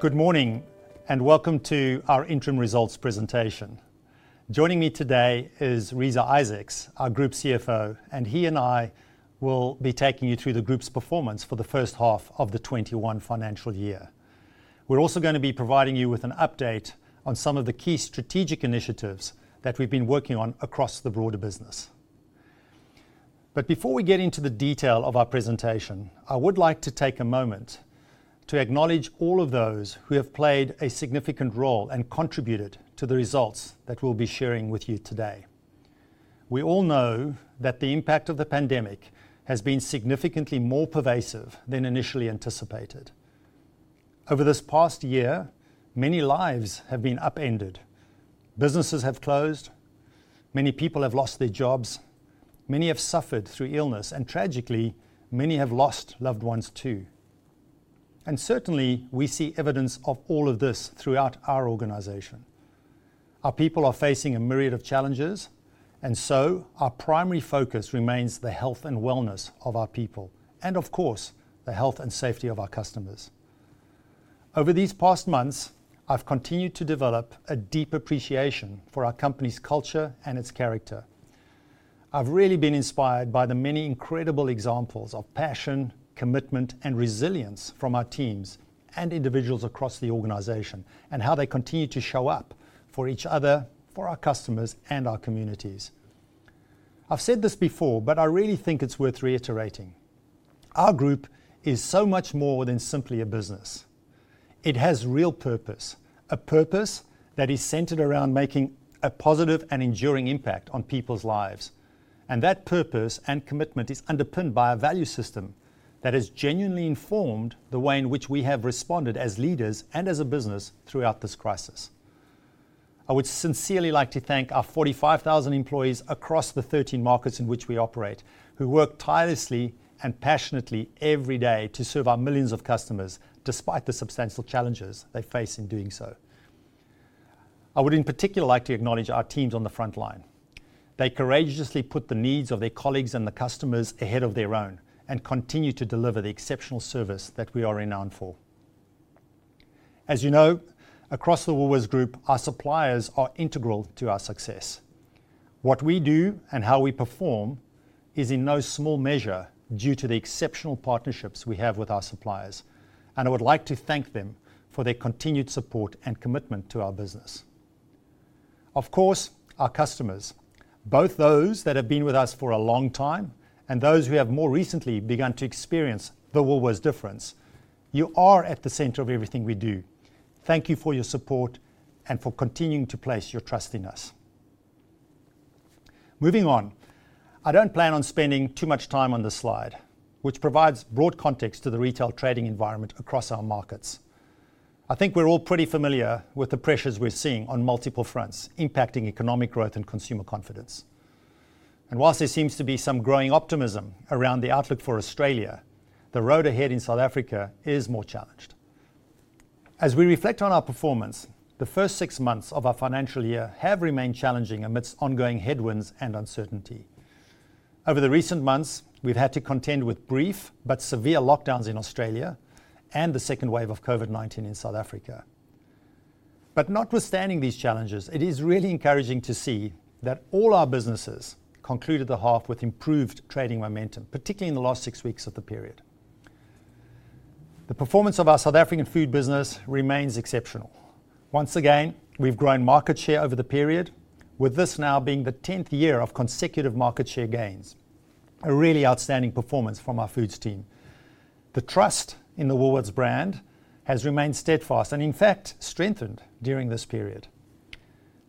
Good morning. Welcome to our interim results presentation. Joining me today is Reeza Isaacs, our group CFO, and he and I will be taking you through the group's performance for the first half of the 2021 financial year. We're also going to be providing you with an update on some of the key strategic initiatives that we've been working on across the broader business. Before we get into the detail of our presentation, I would like to take a moment to acknowledge all of those who have played a significant role and contributed to the results that we'll be sharing with you today. We all know that the impact of the pandemic has been significantly more pervasive than initially anticipated. Over this past year, many lives have been upended. Businesses have closed, many people have lost their jobs, many have suffered through illness, and tragically, many have lost loved ones too. Certainly, we see evidence of all of this throughout our organization. Our people are facing a myriad of challenges, and so our primary focus remains the health and wellness of our people, and of course, the health and safety of our customers. Over these past months, I've continued to develop a deep appreciation for our company's culture and its character. I've really been inspired by the many incredible examples of passion, commitment, and resilience from our teams and individuals across the organization, and how they continue to show up for each other, for our customers, and our communities. I've said this before, but I really think it's worth reiterating. Our group is so much more than simply a business. It has real purpose, a purpose that is centered around making a positive and enduring impact on people's lives. That purpose and commitment is underpinned by a value system that has genuinely informed the way in which we have responded as leaders and as a business throughout this crisis. I would sincerely like to thank our 45,000 employees across the 13 markets in which we operate, who work tirelessly and passionately every day to serve our millions of customers, despite the substantial challenges they face in doing so. I would, in particular, like to acknowledge our teams on the front line. They courageously put the needs of their colleagues and the customers ahead of their own and continue to deliver the exceptional service that we are renowned for. As you know, across the Woolworths Group, our suppliers are integral to our success. What we do and how we perform is in no small measure due to the exceptional partnerships we have with our suppliers, and I would like to thank them for their continued support and commitment to our business. Of course, our customers, both those that have been with us for a long time, and those who have more recently begun to experience the Woolworths' difference, you are at the center of everything we do. Thank you for your support and for continuing to place your trust in us. Moving on, I don't plan on spending too much time on this slide, which provides broad context to the retail trading environment across our markets. I think we're all pretty familiar with the pressures we're seeing on multiple fronts impacting economic growth and consumer confidence. While there seems to be some growing optimism around the outlook for Australia, the road ahead in South Africa is more challenged. As we reflect on our performance, the first six months of our financial year have remained challenging amidst ongoing headwinds and uncertainty. Over the recent months, we've had to contend with brief but severe lockdowns in Australia and the second wave of COVID-19 in South Africa. Notwithstanding these challenges, it is really encouraging to see that all our businesses concluded the half with improved trading momentum, particularly in the last six weeks of the period. The performance of our South African food business remains exceptional. Once again, we've grown market share over the period, with this now being the 10th year of consecutive market share gains. A really outstanding performance from our Foods Team. The trust in the Woolworths brand has remained steadfast, and in fact, strengthened during this period.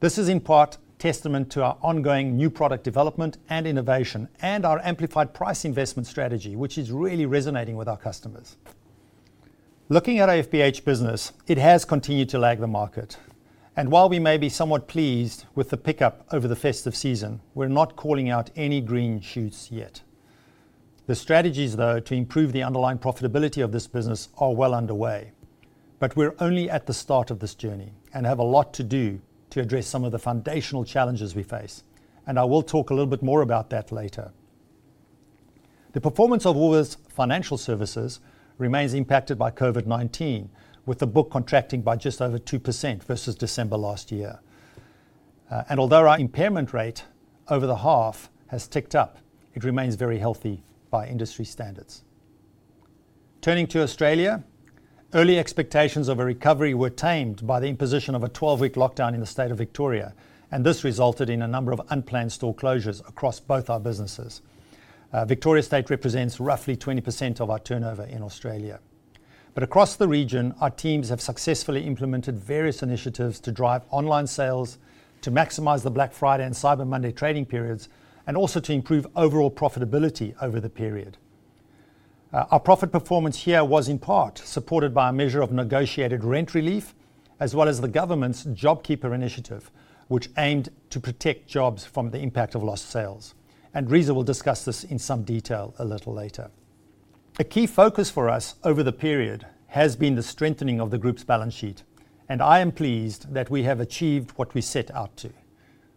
This is in part testament to our ongoing new product development and innovation and our amplified price investment strategy, which is really resonating with our customers. Looking at our FBH business, it has continued to lag the market. While we may be somewhat pleased with the pickup over the festive season, we're not calling out any green shoots yet. The strategies, though, to improve the underlying profitability of this business are well underway, but we're only at the start of this journey and have a lot to do to address some of the foundational challenges we face, and I will talk a little bit more about that later. The performance of Woolworths Financial Services remains impacted by COVID-19, with the book contracting by just over 2% versus December last year. Although our impairment rate over the half has ticked up, it remains very healthy by industry standards. Turning to Australia, early expectations of a recovery were tamed by the imposition of a 12-week lockdown in the state of Victoria, and this resulted in a number of unplanned store closures across both our businesses. Victoria state represents roughly 20% of our turnover in Australia. Across the region, our teams have successfully implemented various initiatives to drive online sales, to maximize the Black Friday and Cyber Monday trading periods, and also to improve overall profitability over the period. Our profit performance here was in part supported by a measure of negotiated rent relief, as well as the government's JobKeeper initiative, which aimed to protect jobs from the impact of lost sales. Reeza will discuss this in some detail a little later. A key focus for us over the period has been the strengthening of the group's balance sheet, and I am pleased that we have achieved what we set out to.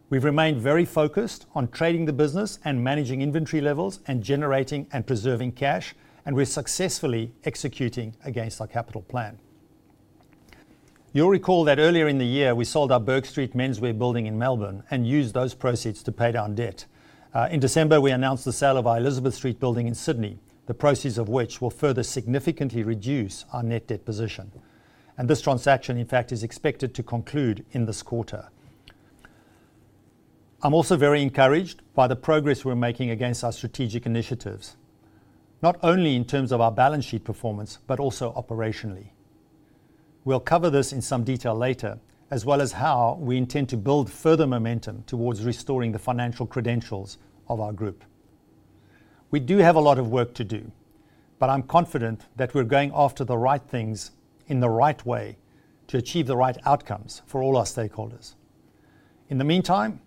We've remained very focused on trading the business and managing inventory levels and generating and preserving cash, and we're successfully executing against our capital plan. You'll recall that earlier in the year, we sold our Bourke Street menswear building in Melbourne and used those proceeds to pay down debt. In December, we announced the sale of our Elizabeth Street building in Sydney, the proceeds of which will further significantly reduce our net debt position. This transaction, in fact, is expected to conclude in this quarter. I'm also very encouraged by the progress we're making against our strategic initiatives, not only in terms of our balance sheet performance, but also operationally. We'll cover this in some detail later, as well as how we intend to build further momentum towards restoring the financial credentials of our group. We do have a lot of work to do, but I'm confident that we're going after the right things in the right way to achieve the right outcomes for all our stakeholders. In the meantime,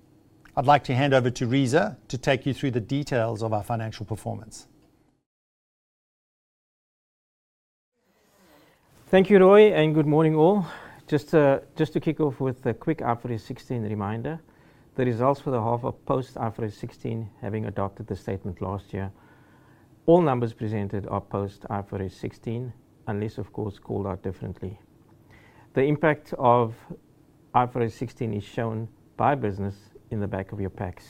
I'd like to hand over to Reeza to take you through the details of our financial performance. Thank you, Roy. Good morning all. Just to kick off with a quick IFRS 16 reminder. The results for the half are post IFRS 16, having adopted the statement last year. All numbers presented are post IFRS 16, unless of course, called out differently. The impact of IFRS 16 is shown by business in the back of your packs.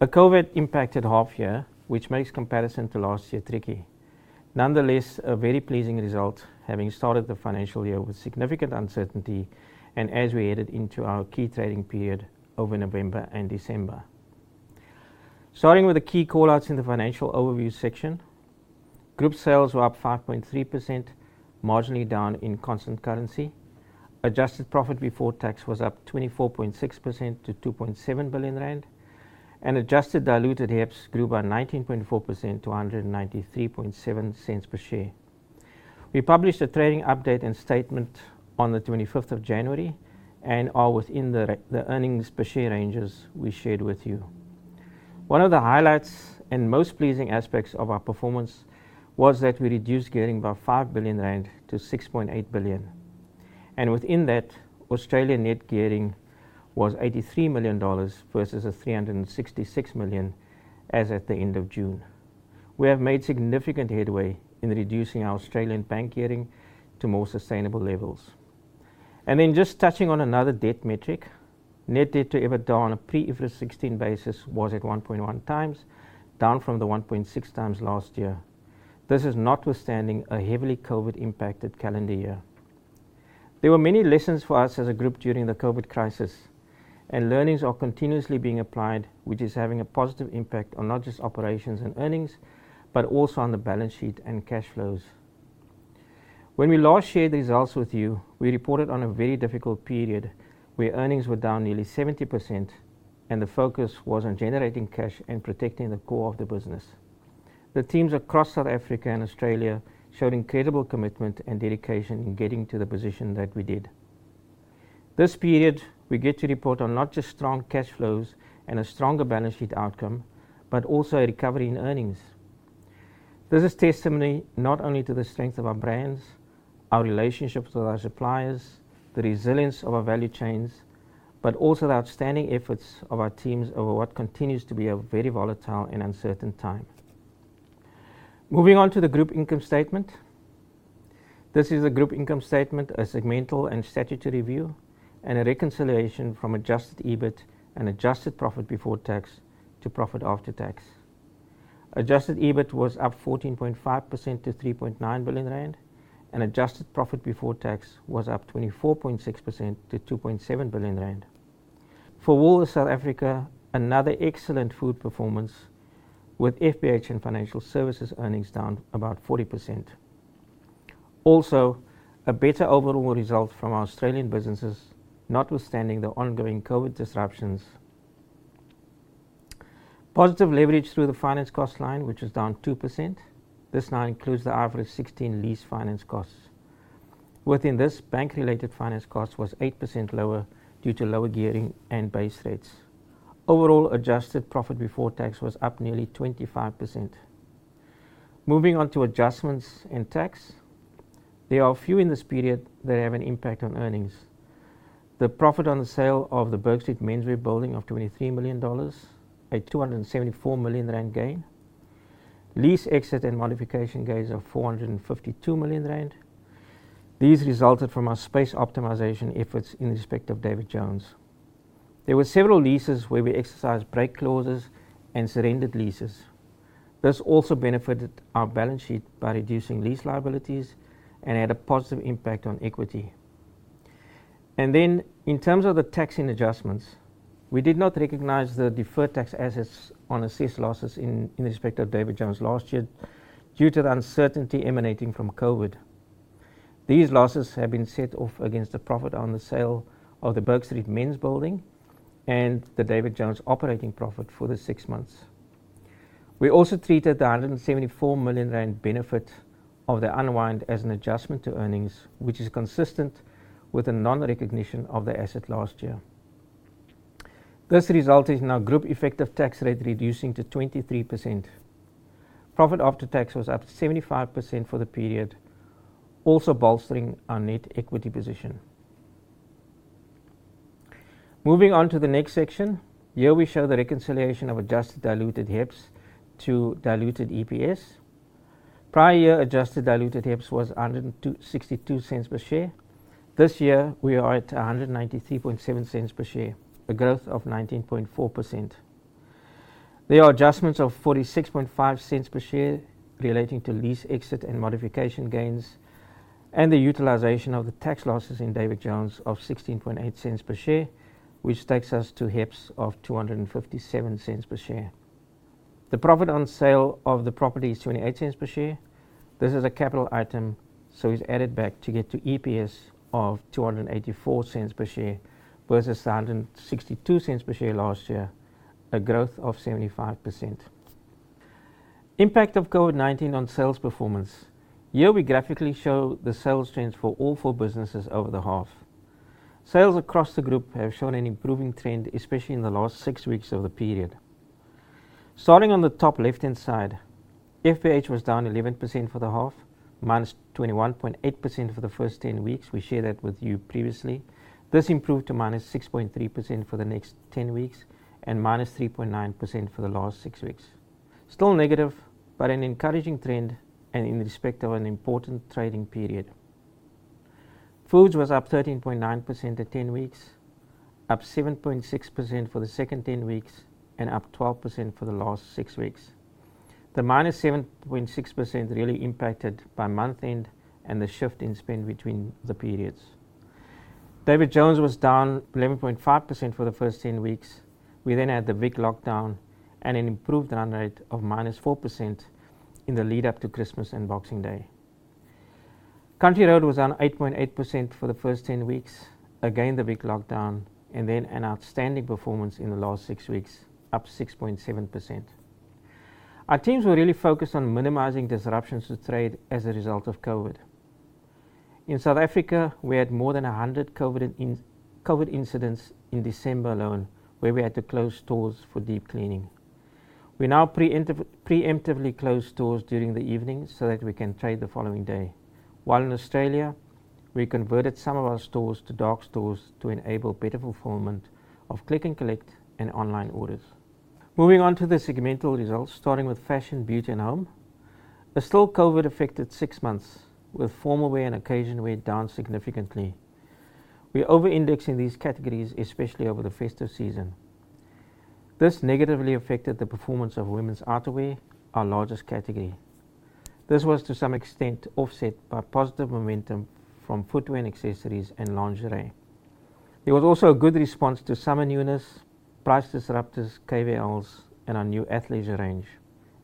A COVID-impacted half year, which makes comparison to last year tricky. Nonetheless, a very pleasing result, having started the financial year with significant uncertainty and as we headed into our key trading period over November and December. Starting with the key call-outs in the financial overview section. Group sales were up 5.3%, marginally down in constant currency. Adjusted profit before tax was up 24.6% to 2.7 billion rand, and adjusted diluted EPS grew by 19.4% to 1.937 per share. We published a trading update and statement on the 25th of January and are within the earnings per share ranges we shared with you. One of the highlights and most pleasing aspects of our performance was that we reduced gearing by 5 billion-6.8 billion rand. Within that, Australian net gearing was 83 million dollars versus 366 million as at the end of June. We have made significant headway in reducing our Australian bank gearing to more sustainable levels. Just touching on another debt metric, net debt to EBITDA on a pre-IFRS 16 basis was at 1.1x, down from the 1.6x last year. This is notwithstanding a heavily COVID-impacted calendar year. There were many lessons for us as a group during the COVID crisis, and learnings are continuously being applied, which is having a positive impact on not just operations and earnings, but also on the balance sheet and cash flows. When we last shared the results with you, we reported on a very difficult period where earnings were down nearly 70% and the focus was on generating cash and protecting the core of the business. The teams across South Africa and Australia showed incredible commitment and dedication in getting to the position that we did. This period, we get to report on not just strong cash flows and a stronger balance sheet outcome, but also a recovery in earnings. This is testimony not only to the strength of our brands, our relationships with our suppliers, the resilience of our value chains, but also the outstanding efforts of our teams over what continues to be a very volatile and uncertain time. Moving on to the group income statement. This is a group income statement, a segmental and statutory view, and a reconciliation from adjusted EBIT and adjusted profit before tax to profit after tax. Adjusted EBIT was up 14.5% to 3.9 billion rand, and adjusted profit before tax was up 24.6% to 2.7 billion rand. For Woolworths South Africa, another excellent food performance with FBH and Woolworths Financial Services earnings down about 40%. A better overall result from our Australian businesses, notwithstanding the ongoing COVID disruptions. Positive leverage through the finance cost line, which is down 2%. This now includes the IFRS 16 lease finance costs. Within this, bank-related finance cost was 8% lower due to lower gearing and base rates. Overall, adjusted profit before tax was up nearly 25%. Moving on to adjustments in tax. There are a few in this period that have an impact on earnings. The profit on the sale of the Bourke Street menswear building of 23 million dollars, a 274 million rand gain. Lease exit and modification gains of 452 million rand. These resulted from our space optimization efforts in respect of David Jones. There were several leases where we exercised break clauses and surrendered leases. This also benefited our balance sheet by reducing lease liabilities and had a positive impact on equity. In terms of the tax and adjustments, we did not recognize the deferred tax assets on assessed losses in respect of David Jones last year due to the uncertainty emanating from COVID. These losses have been set off against the profit on the sale of the Bourke Street mens' building and the David Jones operating profit for the six months. We also treated the 174 million rand benefit of the unwind as an adjustment to earnings, which is consistent with the non-recognition of the asset last year. This resulted in our group effective tax rate reducing to 23%. Profit after tax was up 75% for the period, also bolstering our net equity position. Moving on to the next section. Here we show the reconciliation of adjusted diluted HEPS to diluted EPS. Prior year adjusted diluted HEPS was 1.62 per share. This year, we are at 1.937 per share, a growth of 19.4%. There are adjustments of 0.465 per share relating to lease exit and modification gains, and the utilization of the tax losses in David Jones of 0.168 per share, which takes us to HEPS of 2.57 per share. The profit on sale of the property is 0.28 per share. This is a capital item, so is added back to get to EPS of 2.84 per share versus 1.62 per share last year, a growth of 75%. Impact of COVID-19 on sales performance. Here we graphically show the sales trends for all four businesses over the half. Sales across the group have shown an improving trend, especially in the last six weeks of the period. Starting on the top left-hand side, FBH was down 11% for the half, -21.8% for the first 10 weeks. We shared that with you previously. This improved to -6.3% for the next 10 weeks and -3.9% for the last 6 weeks. Still negative, but an encouraging trend and in respect of an important trading period. Foods was up 13.9% at 10 weeks, up 7.6% for the second 10 weeks, and up 12% for the last 6 weeks. The -7.6% really impacted by month end and the shift in spend between the periods. David Jones was down 11.5% for the first 10 weeks. We had the big lockdown and an improved run rate of -4% in the lead up to Christmas and Boxing Day. Country Road was down 8.8% for the first 10 weeks. The big lockdown, and then an outstanding performance in the last 6 weeks, up 6.7%. Our teams were really focused on minimizing disruptions to trade as a result of COVID. In South Africa, we had more than 100 COVID incidents in December alone, where we had to close stores for deep cleaning. We now preemptively close stores during the evening so that we can trade the following day. While in Australia, we converted some of our stores to dark stores to enable better fulfillment of click and collect and online orders. Moving on to the segmental results, starting with Fashion, Beauty, and Home. A still COVID-affected six months, with formal wear and occasion wear down significantly. We are over-indexing these categories, especially over the festive season. This negatively affected the performance of women's outerwear, our largest category. This was to some extent offset by positive momentum from footwear and accessories and lingerie. There was also a good response to summer newness, price disruptors, KVLs, and our new athleisure range,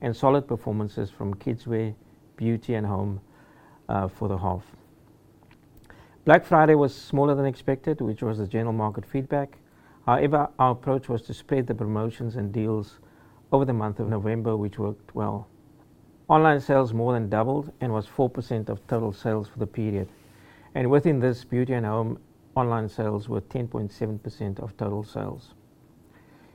and solid performances from kidswear, beauty, and home for the half. Black Friday was smaller than expected, which was the general market feedback. However, our approach was to spread the promotions and deals over the month of November, which worked well. Online sales more than doubled and was 4% of total sales for the period. Within this, beauty and home online sales were 10.7% of total sales.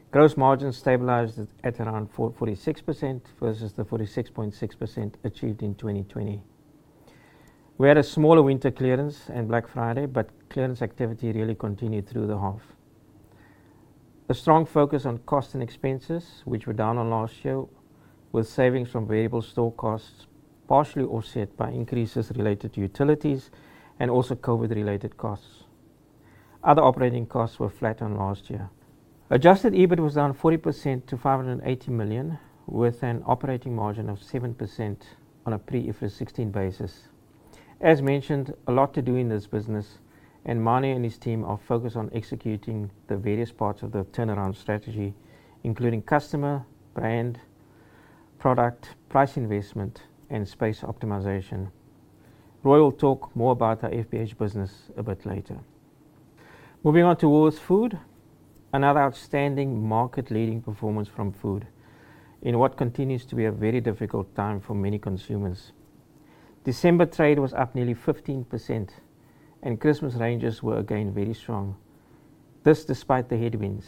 Gross margins stabilized at around 46% versus the 46.6% achieved in 2020. We had a smaller winter clearance and Black Friday, but clearance activity really continued through the half. A strong focus on costs and expenses, which were down on last year, with savings from variable store costs partially offset by increases related to utilities and also COVID-related costs. Other operating costs were flat on last year. Adjusted EBIT was down 40% to 580 million, with an operating margin of 7% on a pre-IFRS 16 basis. As mentioned, a lot to do in this business, and Manie and his team are focused on executing the various parts of the turnaround strategy, including customer, brand, product, price investment, and space optimization. Roy will talk more about our FBH business a bit later. Moving on to Woolworths Food. Another outstanding market leading performance from food in what continues to be a very difficult time for many consumers. December trade was up nearly 15%, and Christmas ranges were again very strong. This despite the headwinds.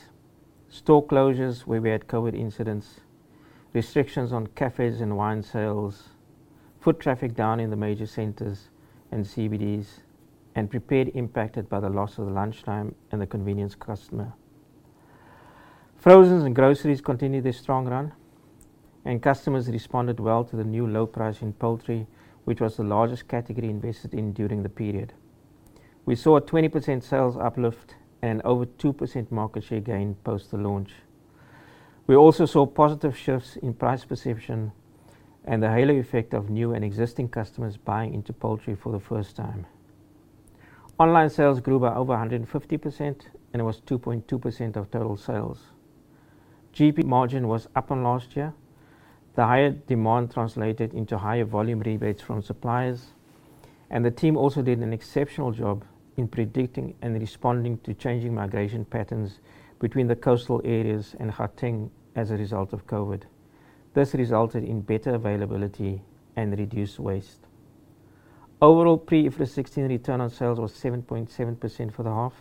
Store closures where we had COVID incidents, restrictions on cafes and wine sales, foot traffic down in the major centers and CBDs, and prepared impacted by the loss of the lunchtime and the convenience customer. Frozens and groceries continued their strong run, and customers responded well to the new low price in poultry, which was the largest category invested in during the period. We saw a 20% sales uplift and over 2% market share gain post the launch. We also saw positive shifts in price perception and the halo effect of new and existing customers buying into poultry for the first time. Online sales grew by over 150% and it was 2.2% of total sales. GP margin was up on last year. The higher demand translated into higher volume rebates from suppliers, and the team also did an exceptional job in predicting and responding to changing migration patterns between the coastal areas and Gauteng as a result of COVID. This resulted in better availability and reduced waste. Overall pre-IFRS 16 return on sales was 7.7% for the half.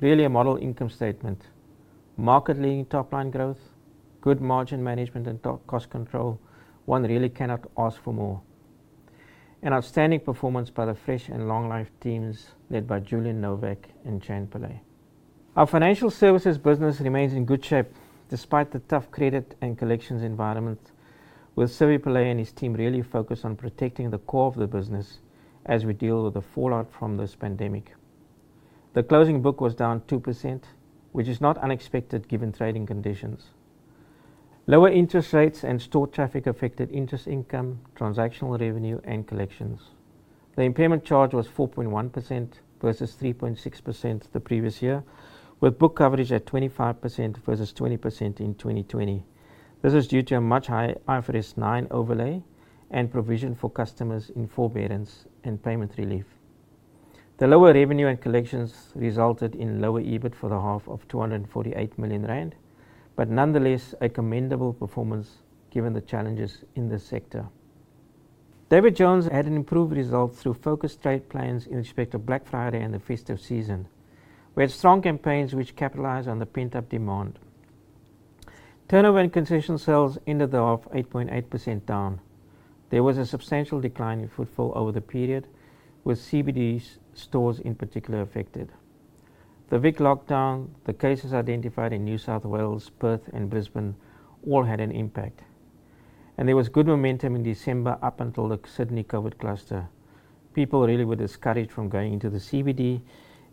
Really a model income statement. Market-leading top-line growth, good margin management, and cost control. One really cannot ask for more. An outstanding performance by the fresh and long life teams led by Julian Novak and Jan Pelser. Our financial services business remains in good shape despite the tough credit and collections environment, with [Survé Philander] and his team really focused on protecting the core of the business as we deal with the fallout from this pandemic. The closing book was down 2%, which is not unexpected given trading conditions. Lower interest rates and store traffic affected interest income, transactional revenue, and collections. The impairment charge was 4.1% versus 3.6% the previous year, with book coverage at 25% versus 20% in 2020. This is due to a much higher IFRS 9 overlay and provision for customers in forbearance and payment relief. The lower revenue and collections resulted in lower EBIT for the 1/2 of 248 million rand, nonetheless, a commendable performance given the challenges in this sector. David Jones had an improved result through focused trade plans in respect of Black Friday and the festive season. We had strong campaigns which capitalized on the pent-up demand. Turnover and concession sales ended the half 8.8% down. There was a substantial decline in footfall over the period, with CBD stores in particular affected. The Vic lockdown, the cases identified in New South Wales, Perth, and Brisbane all had an impact. There was good momentum in December up until the Sydney COVID cluster. People really were discouraged from going into the CBD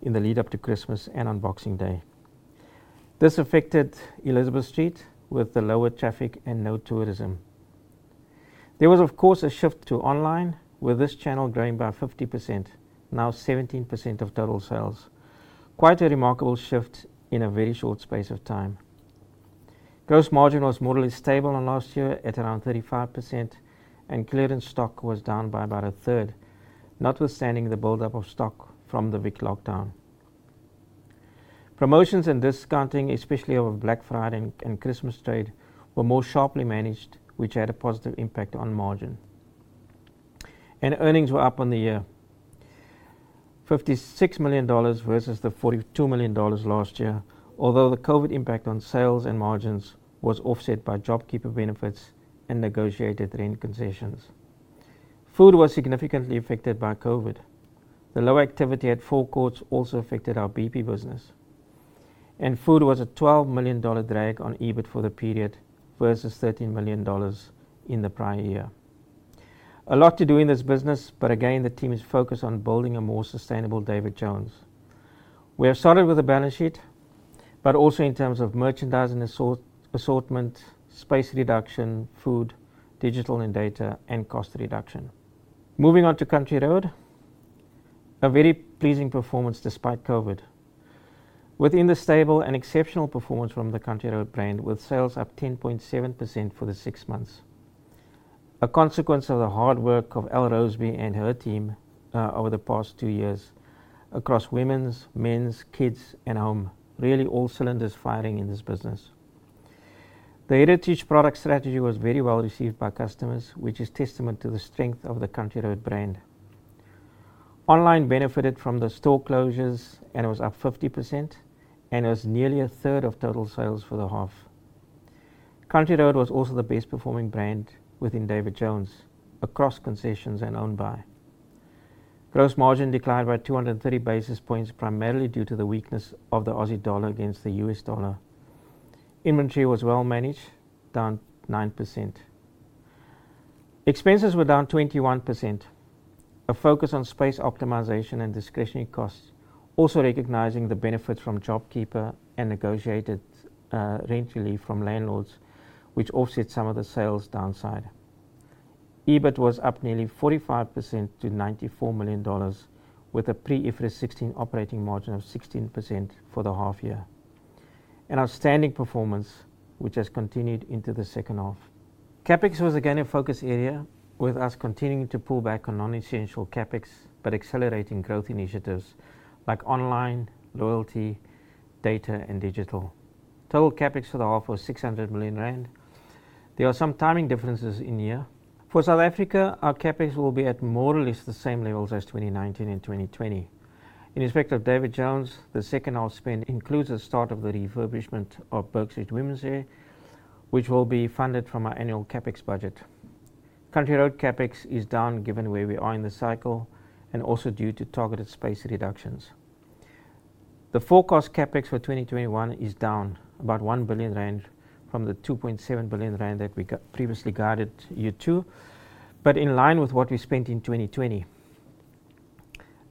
in the lead-up to Christmas and on Boxing Day. This affected Elizabeth Street with the lower traffic and no tourism. There was, of course, a shift to online, with this channel growing by 50%, now 17% of total sales. Quite a remarkable shift in a very short space of time. Gross margin was more or less stable on last year at around 35%. Clearance stock was down by about a third, notwithstanding the buildup of stock from the Vic lockdown. Promotions and discounting, especially over Black Friday and Christmas trade, were more sharply managed, which had a positive impact on margin. Earnings were up on the year, 56 million dollars versus the 42 million dollars last year, although the COVID impact on sales and margins was offset by JobKeeper benefits and negotiated rent concessions. Food was significantly affected by COVID. The low activity at forecourts also affected our BP business. Food was a 12 million dollar drag on EBIT for the period versus 13 million dollars in the prior year. A lot to do in this business, but again, the team is focused on building a more sustainable David Jones. We have started with a balance sheet, but also in terms of merchandise and assortment, space reduction, food, digital and data, and cost reduction. Moving on to Country Road, a very pleasing performance despite COVID. Within the stable, an exceptional performance from the Country Road brand, with sales up 10.7% for the six months. A consequence of the hard work of Elle Roseby and her team over the past two years across women's, men's, kids, and home. Really all cylinders firing in this business. The heritage product strategy was very well received by customers, which is testament to the strength of the Country Road brand. Online benefited from the store closures, and it was up 50%, and it was nearly a 1/3 of total sales for the half. Country Road was also the best-performing brand within David Jones across concessions and owned by. Gross profit margin declined by 230 basis points, primarily due to the weakness of the Aussie dollar against the US dollar. Inventory was well managed, down 9%. Expenses were down 21%, a focus on space optimization and discretionary costs, also recognizing the benefits from JobKeeper and negotiated rent relief from landlords, which offset some of the sales downside. EBIT was up nearly 45% to 94 million dollars, with a pre-IFRS 16 operating margin of 16% for the half year. An outstanding performance, which has continued into the second half. CapEx was again a focus area, with us continuing to pull back on non-essential CapEx, but accelerating growth initiatives like online, loyalty, data, and digital. Total CapEx for the half was 600 million rand. There are some timing differences in here. For South Africa, our CapEx will be at more or less the same levels as 2019 and 2020. In respect of David Jones, the second half spend includes the start of the refurbishment of Bourke Street Women's Area, which will be funded from our annual CapEx budget. Country Road CapEx is down given where we are in the cycle and also due to targeted space reductions. The full cost CapEx for 2021 is down about 1 billion rand from the 2.7 billion rand that we previously guided you to, but in line with what we spent in 2020.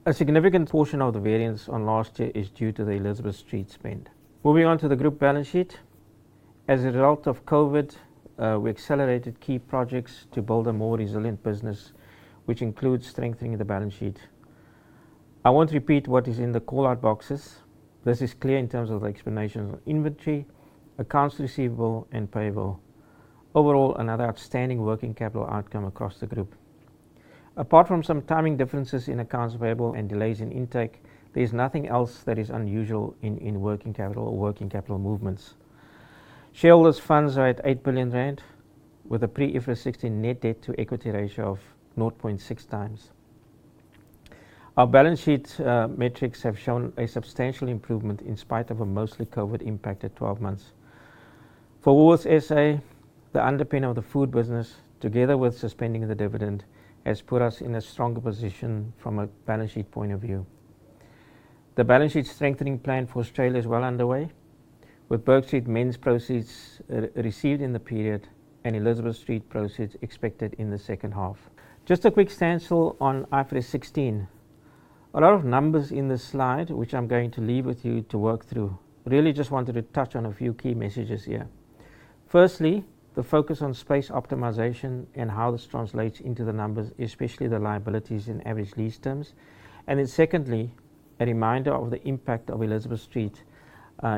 A significant portion of the variance on last year is due to the Elizabeth Street spend. Moving on to the group balance sheet. As a result of COVID, we accelerated key projects to build a more resilient business, which includes strengthening the balance sheet. I won't repeat what is in the call-out boxes. This is clear in terms of the explanation of inventory, accounts receivable, and payable. Overall, another outstanding working capital outcome across the group. Apart from some timing differences in accounts payable and delays in intake, there's nothing else that is unusual in working capital or working capital movements. Shareholders' funds are at 8 billion rand, with a pre-IFRS 16 net debt to equity ratio of 0.6x. Our balance sheet metrics have shown a substantial improvement in spite of a mostly COVID impacted 12 months. For Woolworths SA, the underpin of the food business, together with suspending the dividend, has put us in a stronger position from a balance sheet point of view. The balance sheet strengthening plan for Australia is well underway, with Bourke Street men's proceeds received in the period and Elizabeth Street proceeds expected in the second half. Just a quick standstill on IFRS 16. A lot of numbers in this slide, which I'm going to leave with you to work through. Really just wanted to touch on a few key messages here. Firstly, the focus on space optimization and how this translates into the numbers, especially the liabilities and average lease terms. Secondly, a reminder of the impact of Elizabeth Street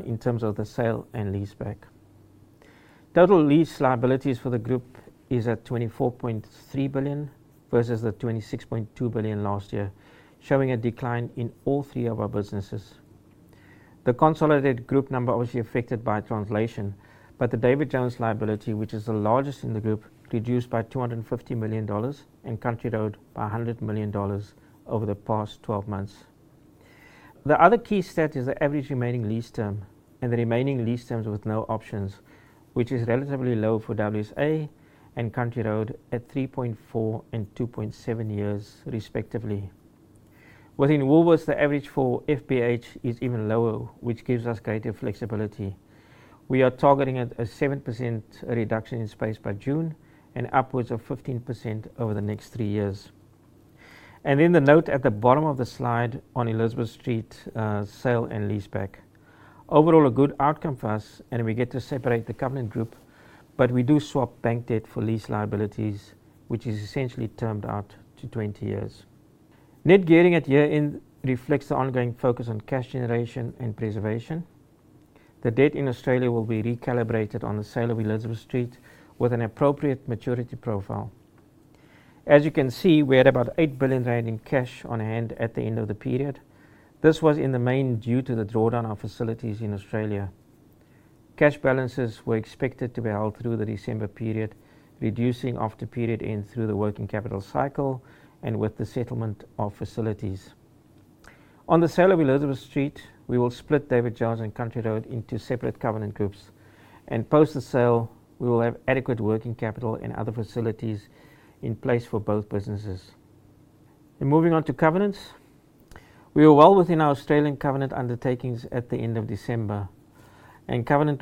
in terms of the sale and leaseback. Total lease liabilities for the group is at 24.3 billion versus the 26.2 billion last year, showing a decline in all three of our businesses. The consolidated group number obviously affected by translation, the David Jones liability, which is the largest in the group, reduced by 250 million dollars and Country Road by 100 million dollars over the past 12 months. The other key stat is the average remaining lease term and the remaining lease terms with no options, which is relatively low for WSA and Country Road at 3.4 years and 2.7 years, respectively. Within Woolworths, the average for FBH is even lower, which gives us greater flexibility. We are targeting a 7% reduction in space by June and upwards of 15% over the next three years. The note at the bottom of the slide on Elizabeth Street sale and leaseback. Overall, a good outcome for us, and we get to separate the covenant group, but we do swap bank debt for lease liabilities, which is essentially termed out to 20 years. Net gearing at year-end reflects the ongoing focus on cash generation and preservation. The debt in Australia will be recalibrated on the sale of Elizabeth Street with an appropriate maturity profile. As you can see, we had about 8 billion rand in cash on hand at the end of the period. This was in the main due to the drawdown of facilities in Australia. Cash balances were expected to be held through the December period, reducing after period end through the working capital cycle and with the settlement of facilities. On the sale of Elizabeth Street, we will split David Jones and Country Road into separate covenant groups. Post the sale, we will have adequate working capital and other facilities in place for both businesses. Moving on to covenants. We were well within our Australian covenant undertakings at the end of December. Covenant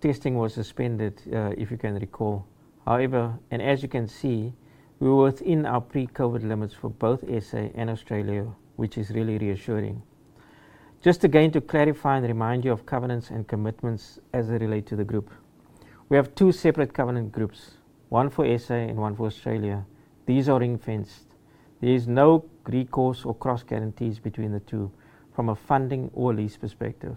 testing was suspended, if you can recall. However, as you can see, we were within our pre-COVID limits for both SA and Australia, which is really reassuring. Just again, to clarify and remind you of covenants and commitments as they relate to the group. We have two separate covenant groups, one for SA and one for Australia. These are ring-fenced. There is no recourse or cross guarantees between the two from a funding or lease perspective.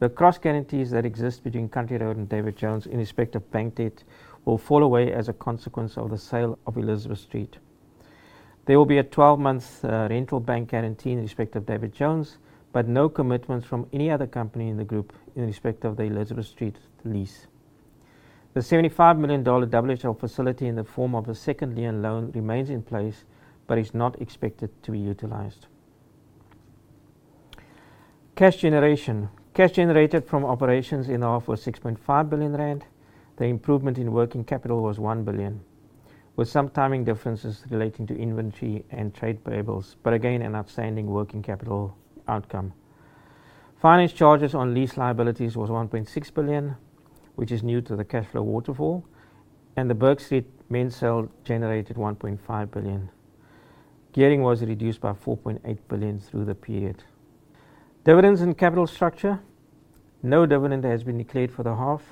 The cross guarantees that exist between Country Road and David Jones in respect of bank debt will fall away as a consequence of the sale of Elizabeth Street. There will be a 12-month rental bank guarantee in respect of David Jones, but no commitments from any other company in the group in respect of the Elizabeth Street lease. The 75 million dollar WHL facility in the form of a second-lien loan remains in place, but is not expected to be utilized. Cash generation. Cash generated from operations in the half was 6.5 billion rand. The improvement in working capital was 1 billion, with some timing differences relating to inventory and trade payables, but again, an outstanding working capital outcome. Finance charges on lease liabilities was 1.6 billion, which is new to the cash flow waterfall, and the Bourke Street mens sale generated 1.5 billion. Gearing was reduced by 4.8 billion through the period. Dividends and capital structure. No dividend has been declared for the half.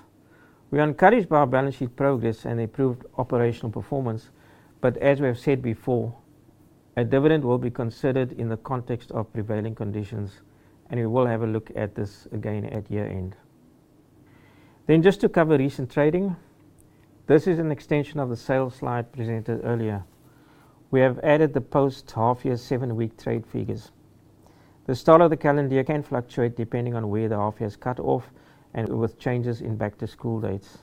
We are encouraged by our balance sheet progress and improved operational performance, but as we have said before, a dividend will be considered in the context of prevailing conditions, and we will have a look at this again at year-end. Just to cover recent trading. This is an extension of the sales slide presented earlier. We have added the post-half-year seven-week trade figures. The start of the calendar year can fluctuate depending on where the half-year is cut off and with changes in back-to-school dates.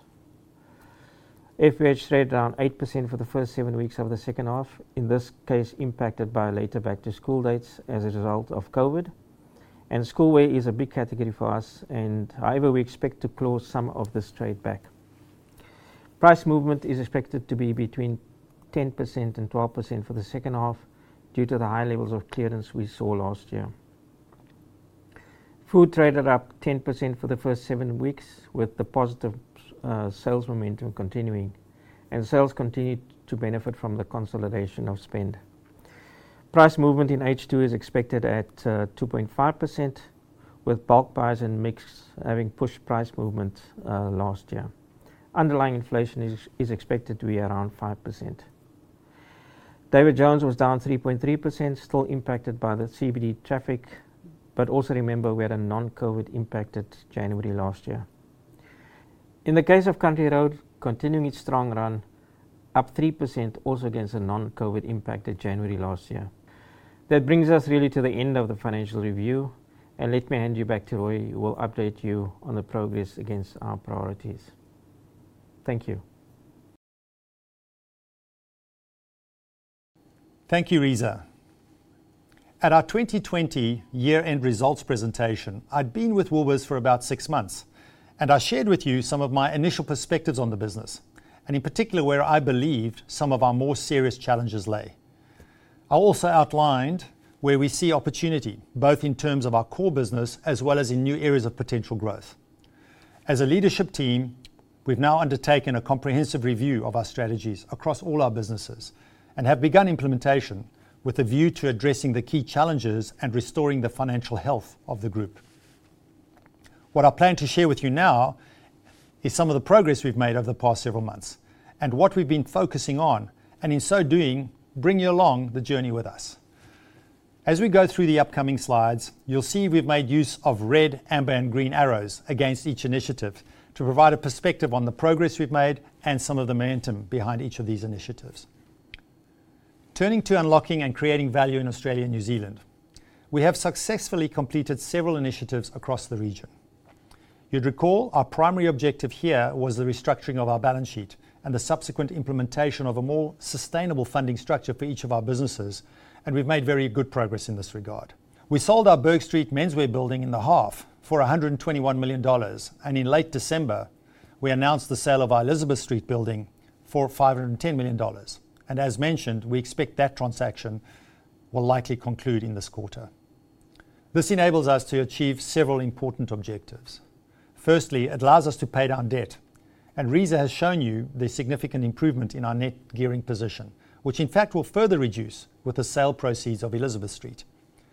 FBH traded down 8% for the first seven weeks of the second half, in this case impacted by later back-to-school dates as a result of COVID. Schoolwear is a big category for us and, however, we expect to close some of this trade back. Price movement is expected to be between 10% and 12% for the second half due to the high levels of clearance we saw last year. Food traded up 10% for the first seven weeks, with the positive sales momentum continuing, and sales continued to benefit from the consolidation of spend. Price movement in H2 is expected at 2.5% with bulk buyers and mix having pushed price movement last year. Underlying inflation is expected to be around 5%. David Jones was down 3.3%, still impacted by the CBD traffic, but also remember we had a non-COVID impacted January last year. In the case of Country Road, continuing its strong run, up 3% also against a non-COVID impacted January last year. That brings us really to the end of the financial review, and let me hand you back to Roy, who will update you on the progress against our priorities. Thank you. Thank you, Reeza. At our 2020 year-end results presentation, I'd been with Woolworths for about six months, and I shared with you some of my initial perspectives on the business, and in particular, where I believed some of our more serious challenges lay. I also outlined where we see opportunity, both in terms of our core business, as well as in new areas of potential growth. As a leadership team, we've now undertaken a comprehensive review of our strategies across all our businesses and have begun implementation with a view to addressing the key challenges and restoring the financial health of the group. What I plan to share with you now is some of the progress we've made over the past several months and what we've been focusing on, and in so doing, bring you along the journey with us. As we go through the upcoming slides, you'll see we've made use of red, amber, and green arrows against each initiative to provide a perspective on the progress we've made and some of the momentum behind each of these initiatives. Turning to unlocking and creating value in Australia and New Zealand, we have successfully completed several initiatives across the region. You'd recall our primary objective here was the restructuring of our balance sheet and the subsequent implementation of a more sustainable funding structure for each of our businesses, and we've made very good progress in this regard. We sold our Bourke Street menswear building in the half for 121 million dollars, and in late December, we announced the sale of our Elizabeth Street building for 510 million dollars. As mentioned, we expect that transaction will likely conclude in this quarter. This enables us to achieve several important objectives. Firstly, it allows us to pay down debt, and Reeza has shown you the significant improvement in our net gearing position, which in fact will further reduce with the sale proceeds of Elizabeth Street.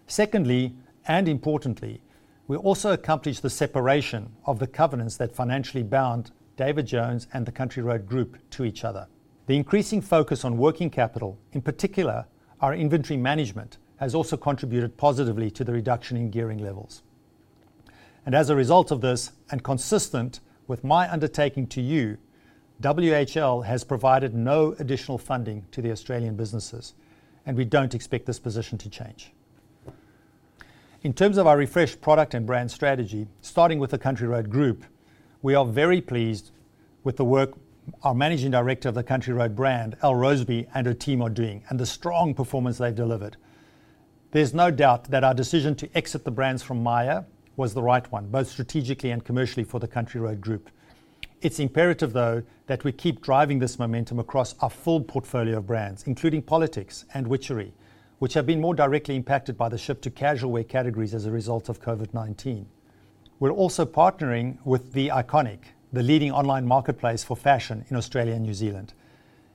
Secondly, and importantly, we also accomplished the separation of the covenants that financially bound David Jones and the Country Road Group to each other. The increasing focus on working capital, in particular our inventory management, has also contributed positively to the reduction in gearing levels. As a result of this, and consistent with my undertaking to you, WHL has provided no additional funding to the Australian businesses, and we don't expect this position to change. In terms of our refreshed product and brand strategy, starting with the Country Road Group, we are very pleased with the work our Managing Director of the Country Road brand, Elle Roseby, and her team are doing, and the strong performance they've delivered. There's no doubt that our decision to exit the brands from Myer was the right one, both strategically and commercially for the Country Road Group. It's imperative, though, that we keep driving this momentum across our full portfolio of brands, including Politix and Witchery, which have been more directly impacted by the shift to casual wear categories as a result of COVID-19. We're also partnering with The Iconic, the leading online marketplace for fashion in Australia and New Zealand.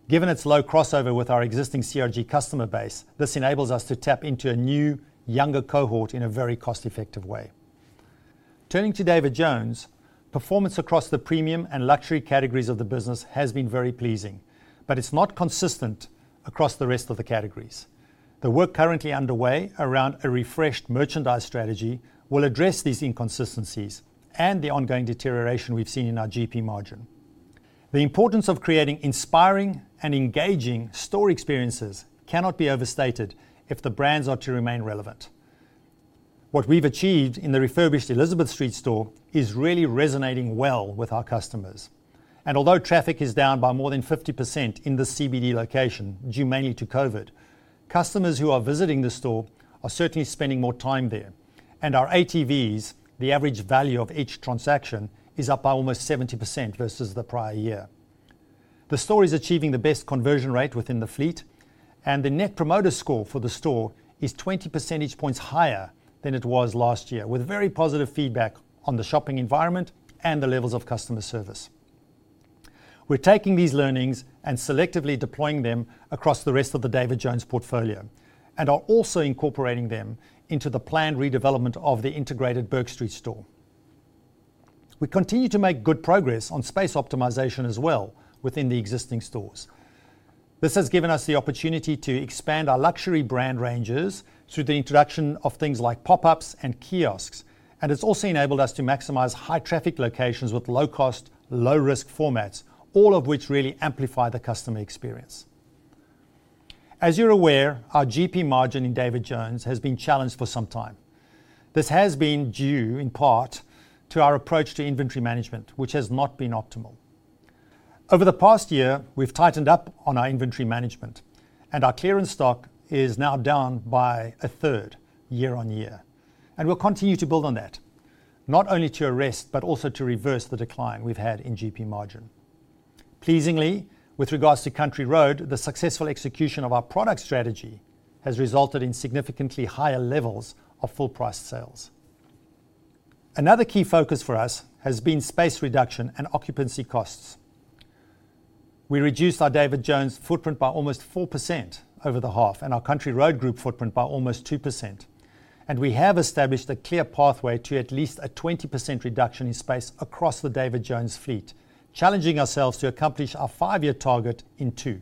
Given its low crossover with our existing CRG customer base, this enables us to tap into a new, younger cohort in a very cost-effective way. Turning to David Jones, performance across the premium and luxury categories of the business has been very pleasing, it's not consistent across the rest of the categories. The work currently underway around a refreshed merchandise strategy will address these inconsistencies and the ongoing deterioration we've seen in our GP margin. The importance of creating inspiring and engaging store experiences cannot be overstated if the brands are to remain relevant. What we've achieved in the refurbished Elizabeth Street store is really resonating well with our customers. Although traffic is down by more than 50% in the CBD location, due mainly to COVID, customers who are visiting the store are certainly spending more time there. Our ATVs, the average value of each transaction, is up by almost 70% versus the prior year. The store is achieving the best conversion rate within the fleet, and the net promoter score for the store is 20 percentage points higher than it was last year, with very positive feedback on the shopping environment and the levels of customer service. We're taking these learnings and selectively deploying them across the rest of the David Jones portfolio and are also incorporating them into the planned redevelopment of the integrated Bourke Street store. We continue to make good progress on space optimization as well within the existing stores. This has given us the opportunity to expand our luxury brand ranges through the introduction of things like pop-ups and kiosks, and it's also enabled us to maximize high-traffic locations with low-cost, low-risk formats, all of which really amplify the customer experience. As you're aware, our GP margin in David Jones has been challenged for some time. This has been due, in part, to our approach to inventory management, which has not been optimal. Over the past year, we've tightened up on our inventory management, our clearance stock is now down by a third year-on-year. We'll continue to build on that, not only to arrest, but also to reverse the decline we've had in GP margin. Pleasingly, with regards to Country Road, the successful execution of our product strategy has resulted in significantly higher levels of full price sales. Another key focus for us has been space reduction and occupancy costs. We reduced our David Jones footprint by almost 4% over the half and our Country Road Group footprint by almost 2%. We have established a clear pathway to at least a 20% reduction in space across the David Jones fleet, challenging ourselves to accomplish our five-year target in two.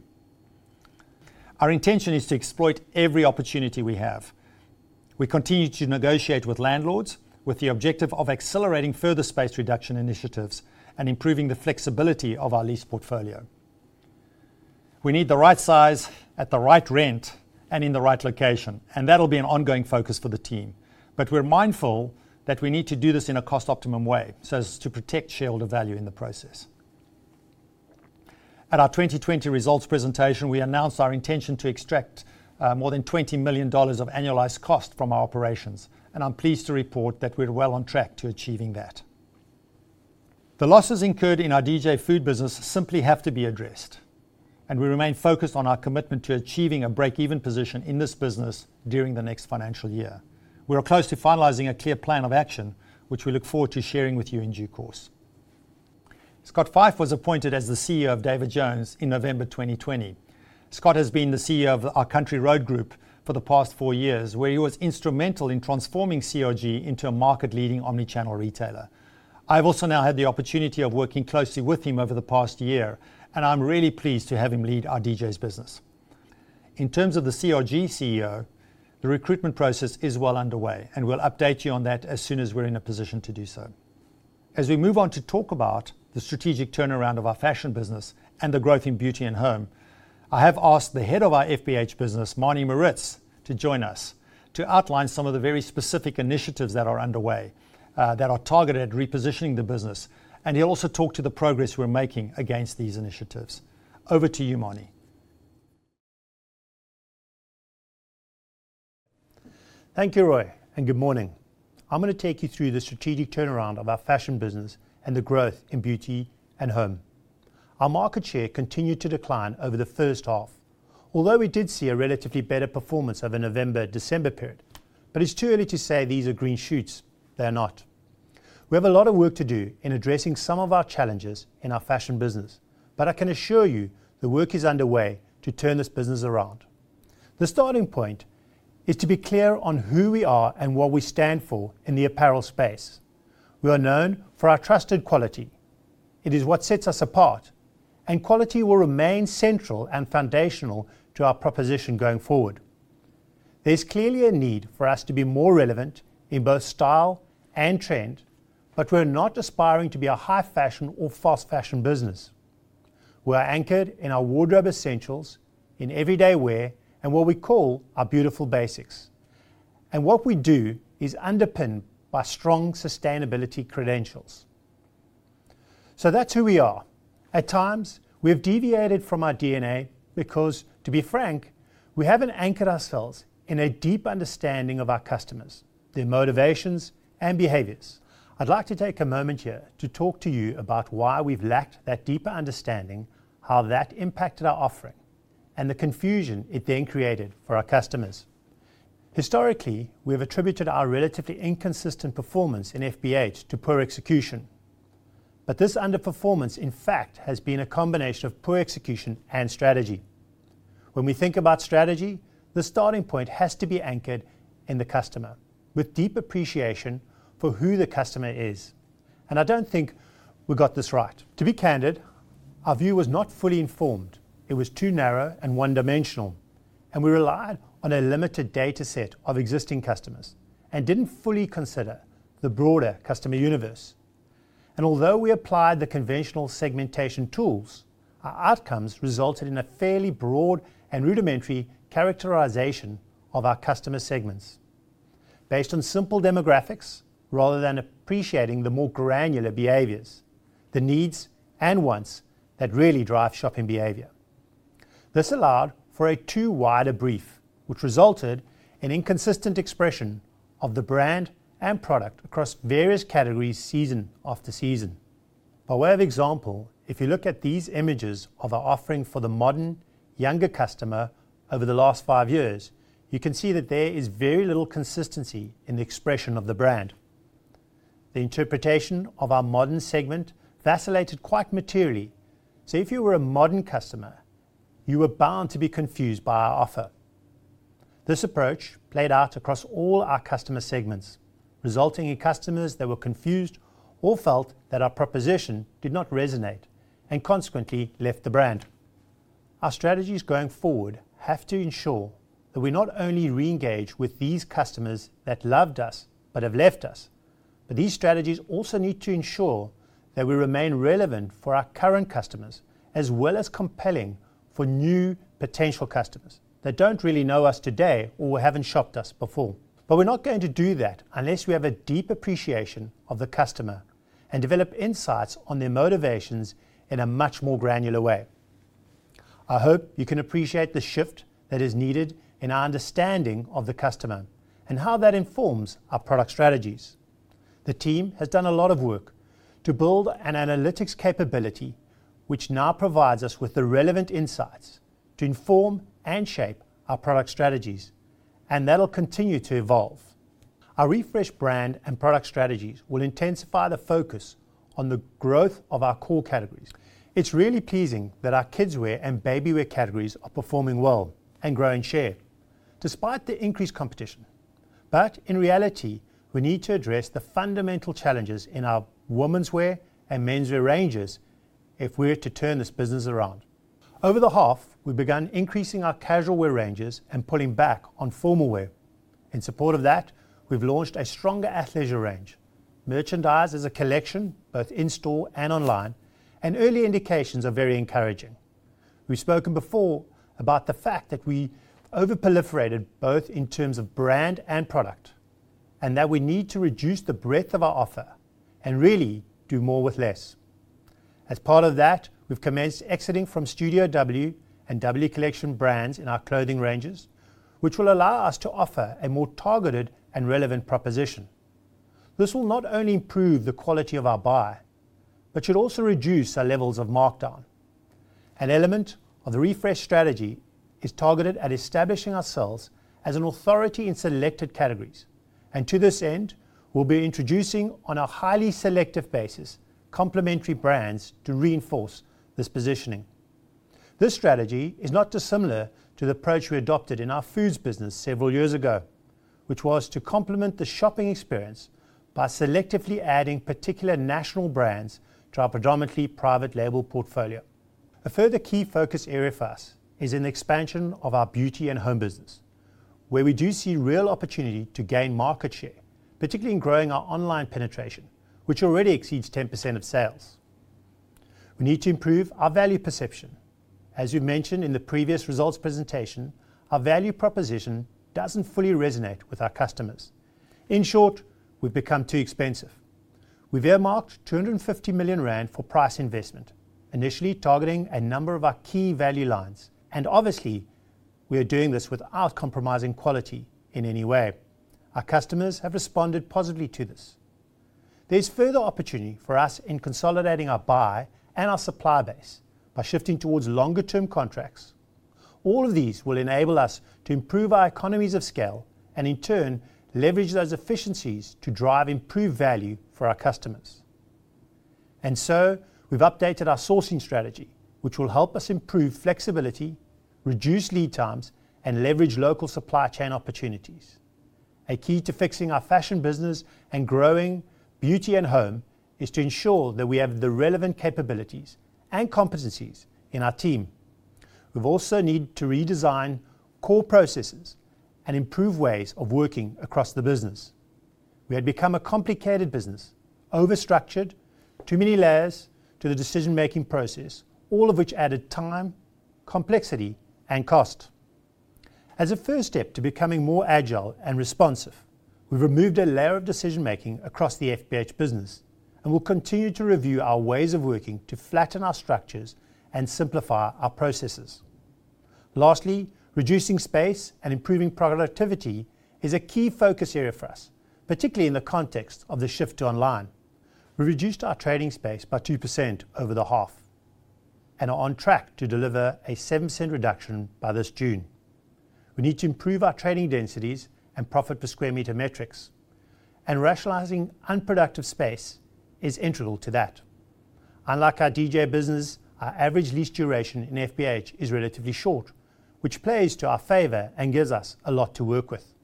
Our intention is to exploit every opportunity we have. We continue to negotiate with landlords with the objective of accelerating further space reduction initiatives and improving the flexibility of our lease portfolio. We need the right size at the right rent and in the right location, and that'll be an ongoing focus for the team. We're mindful that we need to do this in a cost optimum way, so as to protect shareholder value in the process. At our 2020 results presentation, we announced our intention to extract more than 20 million dollars of annualized cost from our operations, and I'm pleased to report that we're well on track to achieving that. The losses incurred in our David Jones Food business simply have to be addressed, and we remain focused on our commitment to achieving a break-even position in this business during the next financial year. We are close to finalizing a clear plan of action, which we look forward to sharing with you in due course. Scott Fyfe was appointed as the CEO of David Jones in November 2020. Scott has been the CEO of our Country Road Group for the past four years, where he was instrumental in transforming CRG into a market-leading omni-channel retailer. I've also now had the opportunity of working closely with him over the past year, and I'm really pleased to have him lead our DJs business. In terms of the CRG CEO, the recruitment process is well underway, and we'll update you on that as soon as we're in a position to do so. As we move on to talk about the strategic turnaround of our fashion business and the growth in beauty and home, I have asked the head of our FBH business, Manie Maritz, to join us to outline some of the very specific initiatives that are underway that are targeted at repositioning the business, and he'll also talk to the progress we're making against these initiatives. Over to you, Manie. Thank you, Roy, and good morning. I'm going to take you through the strategic turnaround of our fashion business and the growth in beauty and home. Our market share continued to decline over the first half, although we did see a relatively better performance over November, December period. It's too early to say these are green shoots. They're not. We have a lot of work to do in addressing some of our challenges in our fashion business, but I can assure you the work is underway to turn this business around. The starting point is to be clear on who we are and what we stand for in the apparel space. We are known for our trusted quality. It is what sets us apart, and quality will remain central and foundational to our proposition going forward. There's clearly a need for us to be more relevant in both style and trend, but we're not aspiring to be a high-fashion or fast-fashion business. We're anchored in our wardrobe essentials, in everyday wear, and what we call our beautiful basics. What we do is underpinned by strong sustainability credentials. That's who we are. At times, we have deviated from our DNA because, to be frank, we haven't anchored ourselves in a deep understanding of our customers, their motivations, and behaviors. I'd like to take a moment here to talk to you about why we've lacked that deeper understanding, how that impacted our offering, and the confusion it then created for our customers. Historically, we have attributed our relatively inconsistent performance in FBH to poor execution. This underperformance, in fact, has been a combination of poor execution and strategy. When we think about strategy, the starting point has to be anchored in the customer with deep appreciation for who the customer is. I don't think we got this right. To be candid, our view was not fully informed. It was too narrow and one-dimensional, and we relied on a limited data set of existing customers and didn't fully consider the broader customer universe. Although we applied the conventional segmentation tools, our outcomes resulted in a fairly broad and rudimentary characterization of our customer segments based on simple demographics, rather than appreciating the more granular behaviors, the needs, and wants that really drive shopping behavior. This allowed for a too wide a brief, which resulted in inconsistent expression of the brand and product across various categories season after season. By way of example, if you look at these images of our offering for the modern, younger customer over the last five years, you can see that there is very little consistency in the expression of the brand. The interpretation of our modern segment vacillated quite materially. If you were a modern customer, you were bound to be confused by our offer. This approach played out across all our customer segments, resulting in customers that were confused or felt that our proposition did not resonate and consequently left the brand. Our strategies going forward have to ensure that we not only reengage with these customers that loved us but have left us, but these strategies also need to ensure that we remain relevant for our current customers, as well as compelling for new potential customers that don't really know us today or haven't shopped us before. We're not going to do that unless we have a deep appreciation of the customer and develop insights on their motivations in a much more granular way. I hope you can appreciate the shift that is needed in our understanding of the customer and how that informs our product strategies. The team has done a lot of work to build an analytics capability, which now provides us with the relevant insights to inform and shape our product strategies, and that'll continue to evolve. Our refreshed brand and product strategies will intensify the focus on the growth of our core categories. It's really pleasing that our kids' wear and baby wear categories are performing well and growing share despite the increased competition. In reality, we need to address the fundamental challenges in our womenswear and menswear ranges if we're to turn this business around. Over the half, we've begun increasing our casual wear ranges and pulling back on formal wear. In support of that, we've launched a stronger athleisure range. Merchandise is a collection, both in-store and online, and early indications are very encouraging. We've spoken before about the fact that we over-proliferated, both in terms of brand and product, and that we need to reduce the breadth of our offer, and really do more with less. As part of that, we've commenced exiting from Studio.W and W Collection brands in our clothing ranges, which will allow us to offer a more targeted and relevant proposition. This will not only improve the quality of our buy, but should also reduce our levels of markdown. An element of the refresh strategy is targeted at establishing ourselves as an authority in selected categories. To this end, we'll be introducing, on a highly selective basis, complementary brands to reinforce this positioning. This strategy is not dissimilar to the approach we adopted in our Foods business several years ago, which was to complement the shopping experience by selectively adding particular national brands to our predominantly private label portfolio. Further key focus area for us is in the expansion of our Beauty and Home business, where we do see real opportunity to gain market share, particularly in growing our online penetration, which already exceeds 10% of sales. We need to improve our value perception. As we've mentioned in the previous results presentation, our value proposition doesn't fully resonate with our customers. In short, we've become too expensive. We've earmarked 250 million rand for price investment, initially targeting a number of our Key Value Items, and obviously, we are doing this without compromising quality in any way. Our customers have responded positively to this. There's further opportunity for us in consolidating our buy and our supply base by shifting towards longer-term contracts. All of these will enable us to improve our economies of scale, and in turn, leverage those efficiencies to drive improved value for our customers. We've updated our sourcing strategy, which will help us improve flexibility, reduce lead times, and leverage local supply chain opportunities. A key to fixing our fashion business and growing beauty and home is to ensure that we have the relevant capabilities and competencies in our team. We've also needed to redesign core processes and improve ways of working across the business. We had become a complicated business, over-structured, too many layers to the decision-making process, all of which added time, complexity, and cost. As a first step to becoming more agile and responsive, we've removed a layer of decision-making across the FBH business and will continue to review our ways of working to flatten our structures and simplify our processes. Lastly, reducing space and improving productivity is a key focus area for us, particularly in the context of the shift to online. We reduced our trading space by 2% over the half and are on track to deliver a 7% reduction by this June. We need to improve our trading densities and profit per square meter metrics, and rationalizing unproductive space is integral to that. Unlike our DJ business, our average lease duration in FBH is relatively short, which plays to our favor and gives us a lot to work with.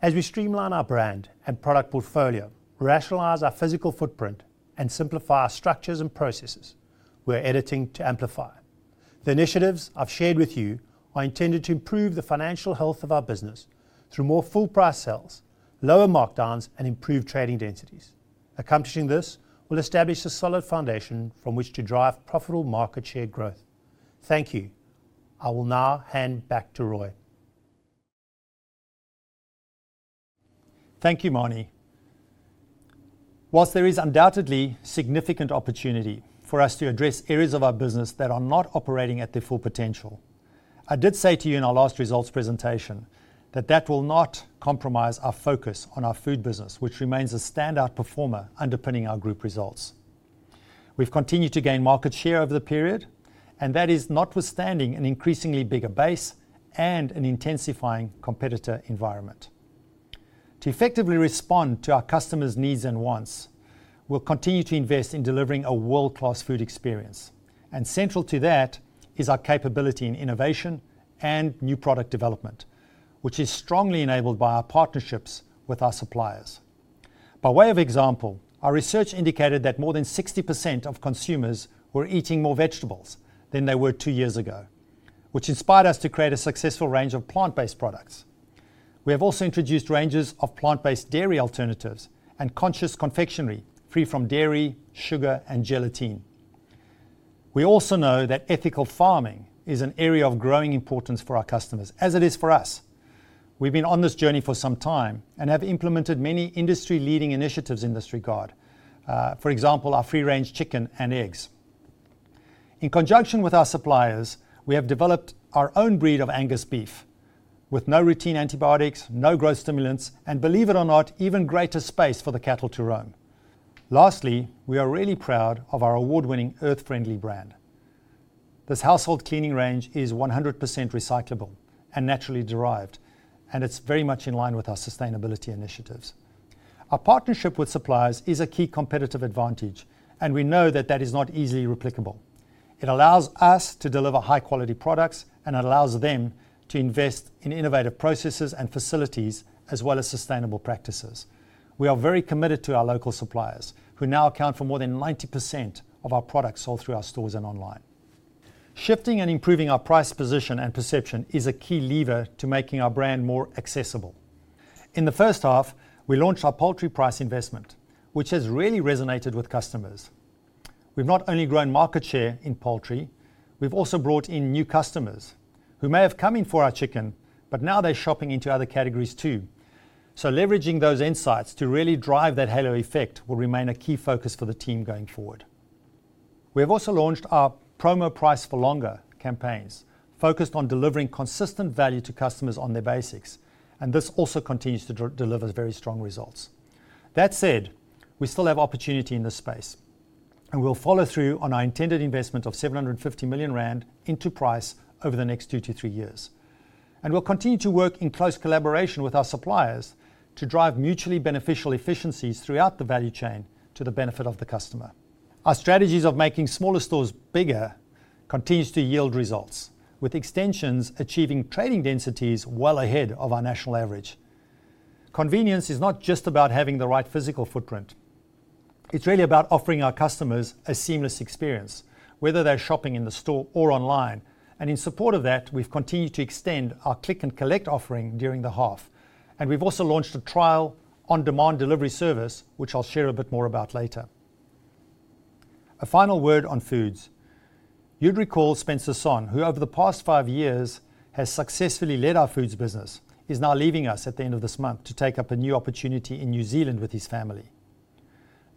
As we streamline our brand and product portfolio, rationalize our physical footprint, and simplify our structures and processes, we are editing to amplify. The initiatives I have shared with you are intended to improve the financial health of our business through more full-price sales, lower markdowns, and improved trading densities. Accomplishing this will establish a solid foundation from which to drive profitable market share growth. Thank you. I will now hand back to Roy. Thank you, Manie. Whilst there is undoubtedly significant opportunity for us to address areas of our business that are not operating at their full potential, I did say to you in our last results presentation that that will not compromise our focus on our food business, which remains a standout performer underpinning our group results. We've continued to gain market share over the period, that is notwithstanding an increasingly bigger base and an intensifying competitor environment. To effectively respond to our customers' needs and wants, we'll continue to invest in delivering a world-class food experience. Central to that is our capability in innovation and new product development, which is strongly enabled by our partnerships with our suppliers. By way of example, our research indicated that more than 60% of consumers were eating more vegetables than they were two years ago, which inspired us to create a successful range of plant-based products. We have also introduced ranges of plant-based dairy alternatives and conscious confectionery, free from dairy, sugar, and gelatin. We also know that ethical farming is an area of growing importance for our customers, as it is for us. We've been on this journey for some time and have implemented many industry-leading initiatives in this regard. For example, our free-range chicken and eggs. In conjunction with our suppliers, we have developed our own breed of Angus beef with no routine antibiotics, no growth stimulants, and believe it or not, even greater space for the cattle to roam. Lastly, we are really proud of our award-winning Earth Friendly brand. This household cleaning range is 100% recyclable and naturally derived, it's very much in line with our sustainability initiatives. Our partnership with suppliers is a key competitive advantage, we know that that is not easily replicable. It allows us to deliver high-quality products, it allows them to invest in innovative processes and facilities, as well as sustainable practices. We are very committed to our local suppliers, who now account for more than 90% of our products sold through our stores and online. Shifting and improving our price position and perception is a key lever to making our brand more accessible. In the first half, we launched our poultry price investment, which has really resonated with customers. We've not only grown market share in poultry, we've also brought in new customers who may have come in for our chicken, now they're shopping into other categories too. Leveraging those insights to really drive that halo effect will remain a key focus for the team going forward. We have also launched our Promo Price for Longer campaigns, focused on delivering consistent value to customers on their basics. This also continues to deliver very strong results. That said, we still have opportunity in this space. We'll follow through on our intended investment of 750 million rand into price over the next two to three years. We'll continue to work in close collaboration with our suppliers to drive mutually beneficial efficiencies throughout the value chain to the benefit of the customer. Our strategies of making smaller stores bigger continues to yield results, with extensions achieving trading densities well ahead of our national average. Convenience is not just about having the right physical footprint. It's really about offering our customers a seamless experience, whether they're shopping in the store or online. In support of that, we've continued to extend our click and collect offering during the half. We've also launched a trial on-demand delivery service, which I'll share a bit more about later. A final word on Foods. You'd recall Spencer Sonn, who over the past five years has successfully led our Foods business, is now leaving us at the end of this month to take up a new opportunity in New Zealand with his family.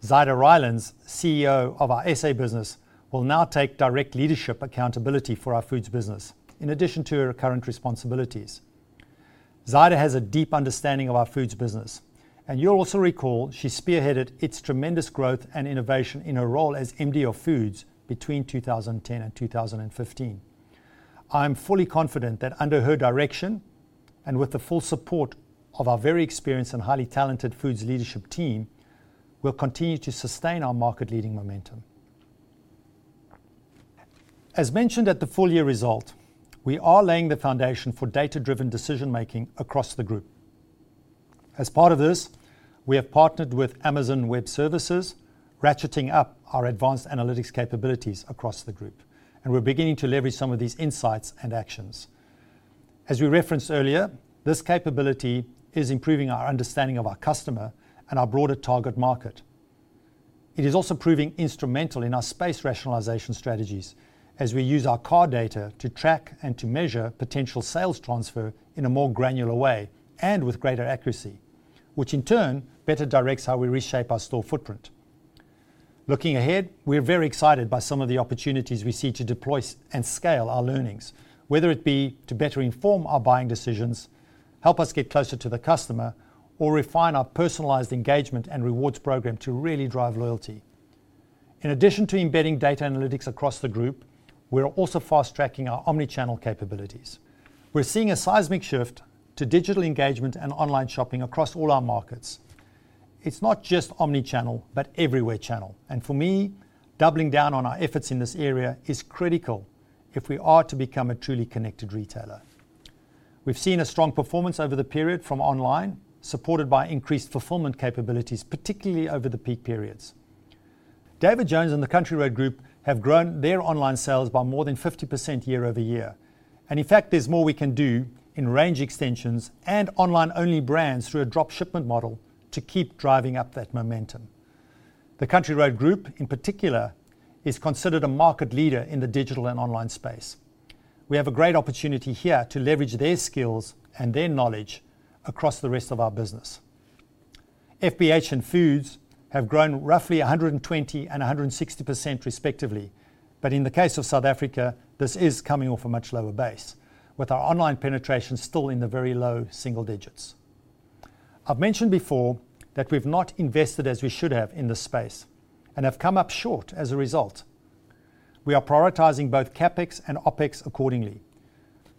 Zyda Rylands, CEO of our SA business, will now take direct leadership accountability for our Foods business, in addition to her current responsibilities. Zyda has a deep understanding of our Foods business, and you'll also recall she spearheaded its tremendous growth and innovation in her role as MD of Foods between 2010 and 2015. I'm fully confident that under her direction, and with the full support of our very experienced and highly talented Foods leadership team, we'll continue to sustain our market leading momentum. As mentioned at the full year result, we are laying the foundation for data-driven decision making across the group. As part of this, we have partnered with Amazon Web Services, ratcheting up our advanced analytics capabilities across the group, and we're beginning to leverage some of these insights and actions. As we referenced earlier, this capability is improving our understanding of our customer and our broader target market. It is also proving instrumental in our space rationalization strategies as we use our card data to track and to measure potential sales transfer in a more granular way and with greater accuracy, which in turn better directs how we reshape our store footprint. Looking ahead, we're very excited by some of the opportunities we see to deploy and scale our learnings, whether it be to better inform our buying decisions, help us get closer to the customer, or refine our personalized engagement and rewards program to really drive loyalty. In addition to embedding data analytics across the group, we're also fast-tracking our omnichannel capabilities. We're seeing a seismic shift to digital engagement and online shopping across all our markets. It's not just omnichannel, but everywhere channel. For me, doubling down on our efforts in this area is critical if we are to become a truly connected retailer. We've seen a strong performance over the period from online, supported by increased fulfillment capabilities, particularly over the peak periods. David Jones and the Country Road Group have grown their online sales by more than 50% year-over-year. In fact, there's more we can do in range extensions and online-only brands through a drop shipment model to keep driving up that momentum. The Country Road Group, in particular, is considered a market leader in the digital and online space. We have a great opportunity here to leverage their skills and their knowledge across the rest of our business. FBH and Foods have grown roughly 120% and 160%, respectively. In the case of South Africa, this is coming off a much lower base, with our online penetration still in the very low single digits. I've mentioned before that we've not invested as we should have in this space and have come up short as a result. We are prioritizing both CapEx and OpEx accordingly.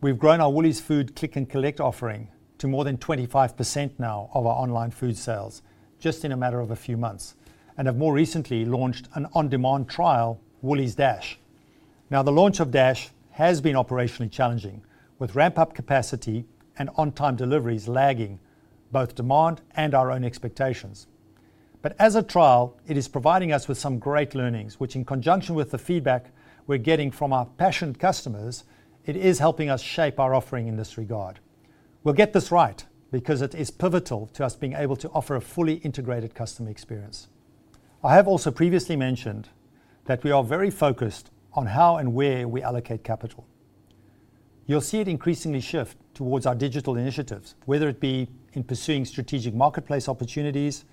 We've grown our Woolies Food click and collect offering to more than 25% now of our online food sales, just in a matter of a few months, and have more recently launched an on-demand trial, Woolies Dash. The launch of Dash has been operationally challenging, with ramp-up capacity and on-time deliveries lagging both demand and our own expectations. As a trial, it is providing us with some great learnings, which in conjunction with the feedback we're getting from our passionate customers, it is helping us shape our offering in this regard. We'll get this right because it is pivotal to us being able to offer a fully integrated customer experience. I have also previously mentioned that we are very focused on how and where we allocate capital. You'll see it increasingly shift towards our digital initiatives, whether it be in pursuing strategic marketplace opportunities,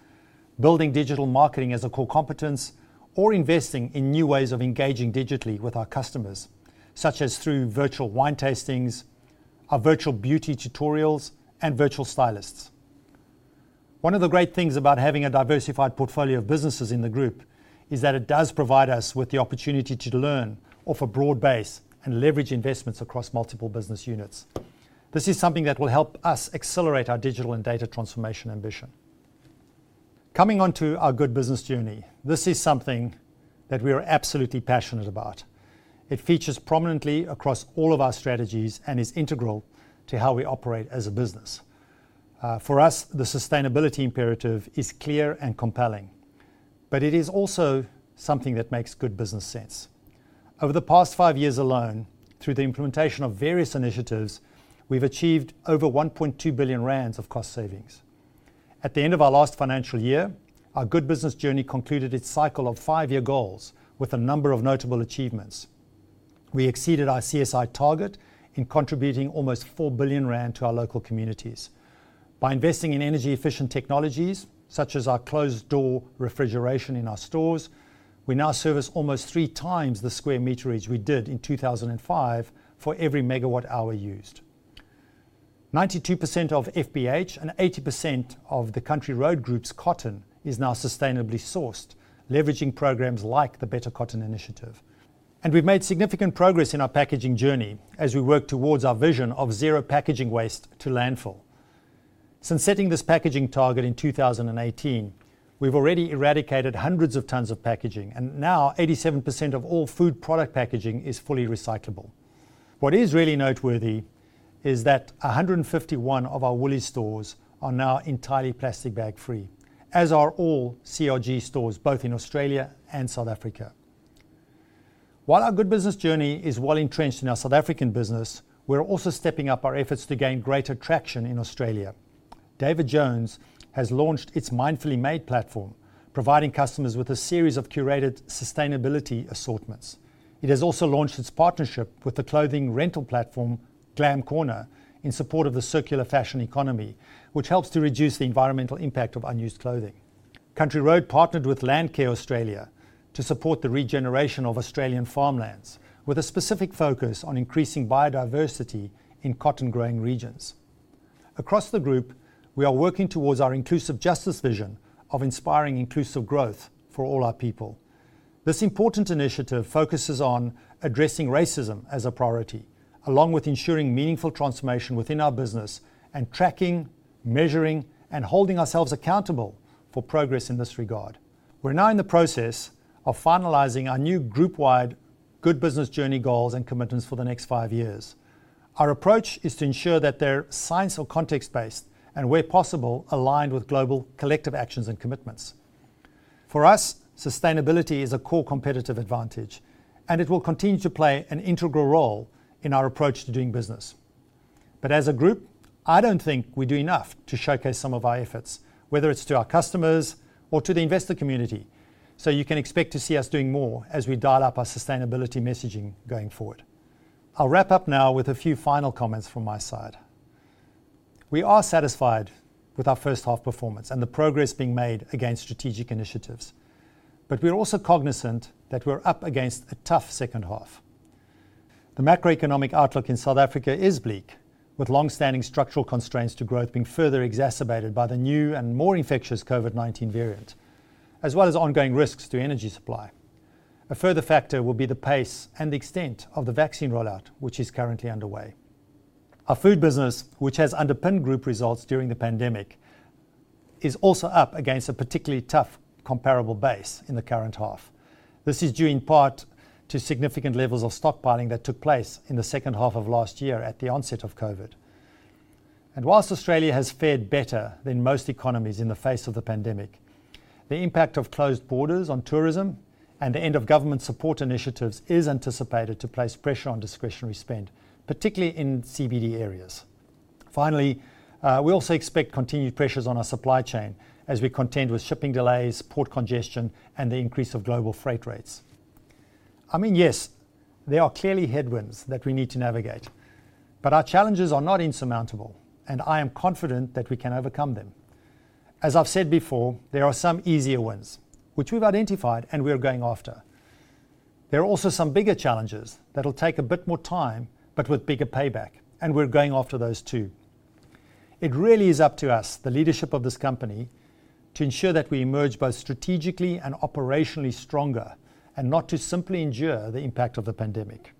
building digital marketing as a core competence, or investing in new ways of engaging digitally with our customers, such as through virtual wine tastings, our virtual beauty tutorials, and virtual stylists. One of the great things about having a diversified portfolio of businesses in the group is that it does provide us with the opportunity to learn off a broad base and leverage investments across multiple business units. This is something that will help us accelerate our digital and data transformation ambition. Coming onto our good business journey, this is something that we are absolutely passionate about. It features prominently across all of our strategies and is integral to how we operate as a business. For us, the sustainability imperative is clear and compelling. It is also something that makes good business sense. Over the past five years alone, through the implementation of various initiatives, we've achieved over 1.2 billion rand of cost savings. At the end of our last financial year, our Good Business Journey concluded its cycle of five-year goals with a number of notable achievements. We exceeded our CSI target in contributing almost 4 billion rand to our local communities. By investing in energy-efficient technologies, such as our closed-door refrigeration in our stores, we now service almost three times the square meterage we did in 2005 for every megawatt hour used. 92% of FBH and 80% of the Country Road Group's cotton is now sustainably sourced, leveraging programs like the Better Cotton Initiative. We've made significant progress in our packaging journey as we work towards our vision of zero packaging waste to landfill. Since setting this packaging target in 2018, we've already eradicated hundreds of tons of packaging, and now 87% of all food product packaging is fully recyclable. Now 87% of all food product packaging is fully recyclable. What is really noteworthy is that 151 of our Woolies stores are now entirely plastic bag free, as are all CRG stores, both in Australia and South Africa. While our Good Business Journey is well entrenched in our South African business, we're also stepping up our efforts to gain greater traction in Australia. David Jones has launched its Mindfully Made platform, providing customers with a series of curated sustainability assortments. It has also launched its partnership with the clothing rental platform GlamCorner in support of the circular fashion economy, which helps to reduce the environmental impact of unused clothing. Country Road partnered with Landcare Australia to support the regeneration of Australian farmlands, with a specific focus on increasing biodiversity in cotton-growing regions. Across the group, we are working towards our inclusive justice vision of inspiring inclusive growth for all our people. This important initiative focuses on addressing racism as a priority, along with ensuring meaningful transformation within our business and tracking, measuring, and holding ourselves accountable for progress in this regard. We're now in the process of finalizing our new group-wide good business journey goals and commitments for the next five years. Our approach is to ensure that they're science or context based, and where possible, aligned with global collective actions and commitments. For us, sustainability is a core competitive advantage, it will continue to play an integral role in our approach to doing business. As a group, I don't think we do enough to showcase some of our efforts, whether it's to our customers or to the investor community. You can expect to see us doing more as we dial up our sustainability messaging going forward. I'll wrap up now with a few final comments from my side. We are satisfied with our first half performance and the progress being made against strategic initiatives, but we're also cognizant that we're up against a tough second half. The macroeconomic outlook in South Africa is bleak, with longstanding structural constraints to growth being further exacerbated by the new and more infectious COVID-19 variant, as well as ongoing risks to energy supply. A further factor will be the pace and the extent of the vaccine rollout, which is currently underway. Our food business, which has underpinned group results during the pandemic, is also up against a particularly tough comparable base in the current half. This is due in part to significant levels of stockpiling that took place in the second half of last year at the onset of COVID. Whilst Australia has fared better than most economies in the face of the pandemic, the impact of closed borders on tourism and the end of government support initiatives is anticipated to place pressure on discretionary spend, particularly in CBD areas. Finally, we also expect continued pressures on our supply chain as we contend with shipping delays, port congestion, and the increase of global freight rates. Yes, there are clearly headwinds that we need to navigate, but our challenges are not insurmountable, and I am confident that we can overcome them. As I've said before, there are some easier wins, which we've identified and we are going after. There are also some bigger challenges that'll take a bit more time, but with bigger payback, and we're going after those, too. It really is up to us, the leadership of this company, to ensure that we emerge both strategically and operationally stronger, and not to simply endure the impact of the pandemic.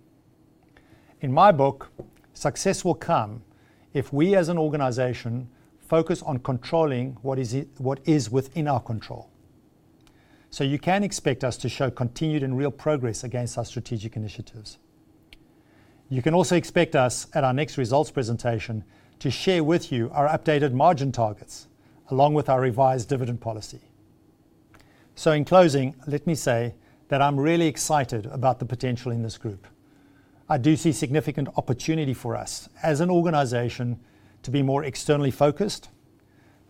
In my book, success will come if we as an organization focus on controlling what is within our control. You can expect us to show continued and real progress against our strategic initiatives. You can also expect us at our next results presentation to share with you our updated margin targets, along with our revised dividend policy. In closing, let me say that I'm really excited about the potential in this group. I do see significant opportunity for us as an organization to be more externally focused,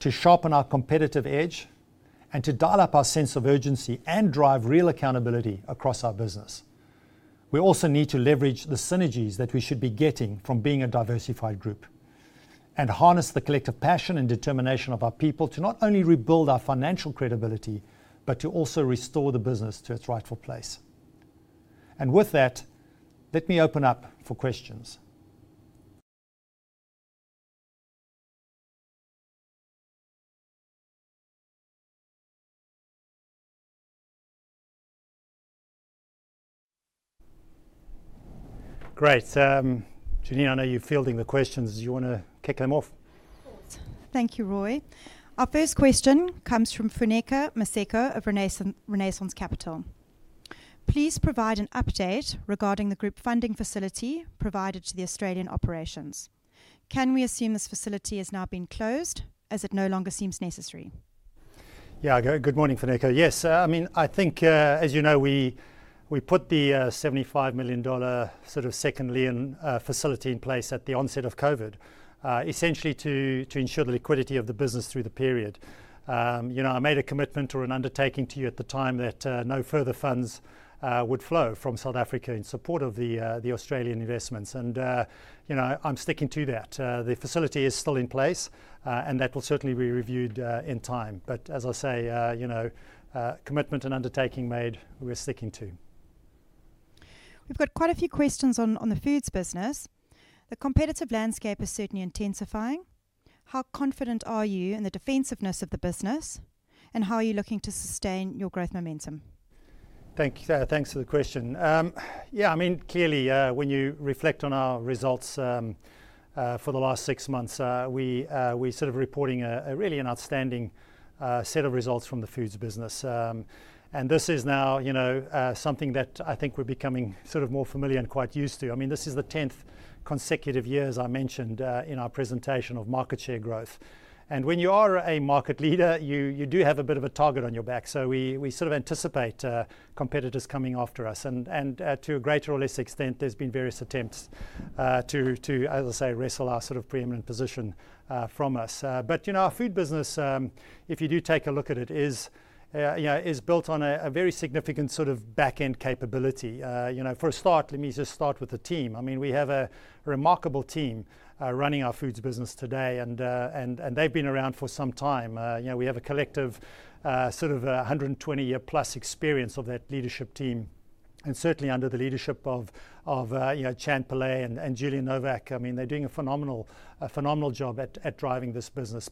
to sharpen our competitive edge, and to dial up our sense of urgency and drive real accountability across our business. We also need to leverage the synergies that we should be getting from being a diversified group and harness the collective passion and determination of our people to not only rebuild our financial credibility, but to also restore the business to its rightful place. With that, let me open up for questions. Great. Jeanine, I know you're fielding the questions. Do you want to kick them off? Of course. Thank you, Roy. Our first question comes from Funeka Masiko of Renaissance Capital. Please provide an update regarding the group funding facility provided to the Australian operations. Can we assume this facility has now been closed, as it no longer seems necessary? Yeah, good morning, Funeka. I think, as you know, we put the 75 million dollar secondary facility in place at the onset of COVID, essentially to ensure the liquidity of the business through the period. I made a commitment or an undertaking to you at the time that no further funds would flow from South Africa in support of the Australian investments. I'm sticking to that. The facility is still in place, and that will certainly be reviewed in time. As I say, commitment and undertaking made, we're sticking to. We've got quite a few questions on the foods business. The competitive landscape is certainly intensifying. How confident are you in the defensiveness of the business, and how are you looking to sustain your growth momentum? Thanks for the question. Clearly, when you reflect on our results for the last 6 months, we're reporting really an outstanding set of results from the Foods business. This is now something that I think we're becoming more familiar and quite used to. This is the 10th consecutive year, as I mentioned in our presentation, of market share growth. When you are a market leader, you do have a bit of a target on your back, so we anticipate competitors coming after us. To a greater or lesser extent, there's been various attempts to, as I say, wrestle our preeminent position from us. Our Foods business, if you do take a look at it, is built on a very significant back end capability. For a start, let me just start with the team. We have a remarkable team running our Foods business today. They've been around for some time. We have a collective of 120-year plus experience of that leadership team. Certainly, under the leadership of Chantell Pellett and Julian Novak, they're doing a phenomenal job at driving this business.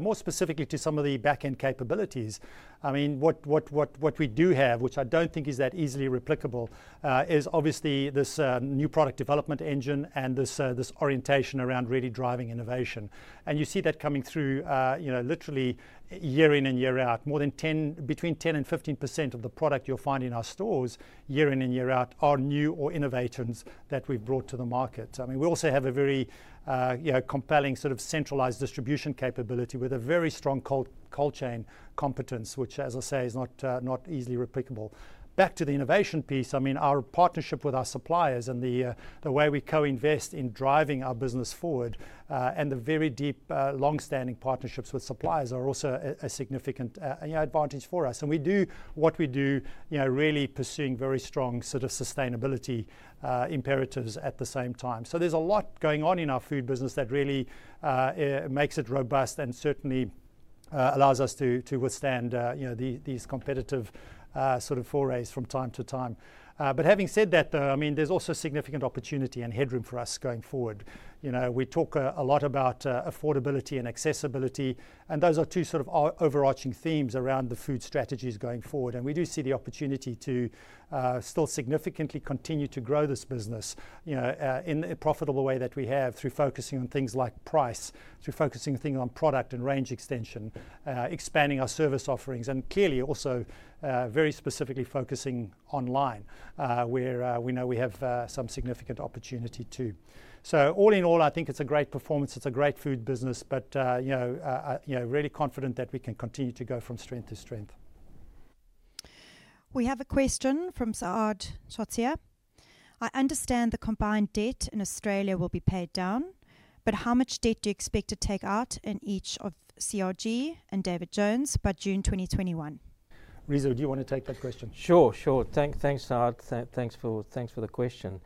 More specifically to some of the back-end capabilities, what we do have, which I don't think is that easily replicable, is obviously this new product development engine and this orientation around really driving innovation. You see that coming through literally year in and year out. More than between 10%-15% of the product you'll find in our stores year in and year out are new or innovations that we've brought to the market. We also have a very compelling centralized distribution capability with a very strong cold chain competence, which, as I say, is not easily replicable. Back to the innovation piece, our partnership with our suppliers and the way we co-invest in driving our business forward, and the very deep, longstanding partnerships with suppliers are also a significant advantage for us. We do what we do really pursuing very strong sustainability imperatives at the same time. There's a lot going on in our food business that really makes it robust and certainly allows us to withstand these competitive forays from time to time. Having said that, there's also significant opportunity and headroom for us going forward. We talk a lot about affordability and accessibility, and those are two overarching themes around the food strategies going forward. We do see the opportunity to still significantly continue to grow this business in a profitable way that we have through focusing on things like price, through focusing on product and range extension, expanding our service offerings, and clearly also very specifically focusing online, where we know we have some significant opportunity, too. All in all, I think it's a great performance. It's a great food business. I am really confident that we can continue to go from strength to strength. We have a question from Saad Chhataria. I understand the combined debt in Australia will be paid down, but how much debt do you expect to take out in each of CRG and David Jones by June 2021? Reeza, do you want to take that question? Sure. Thanks, Saad. Thanks for the question.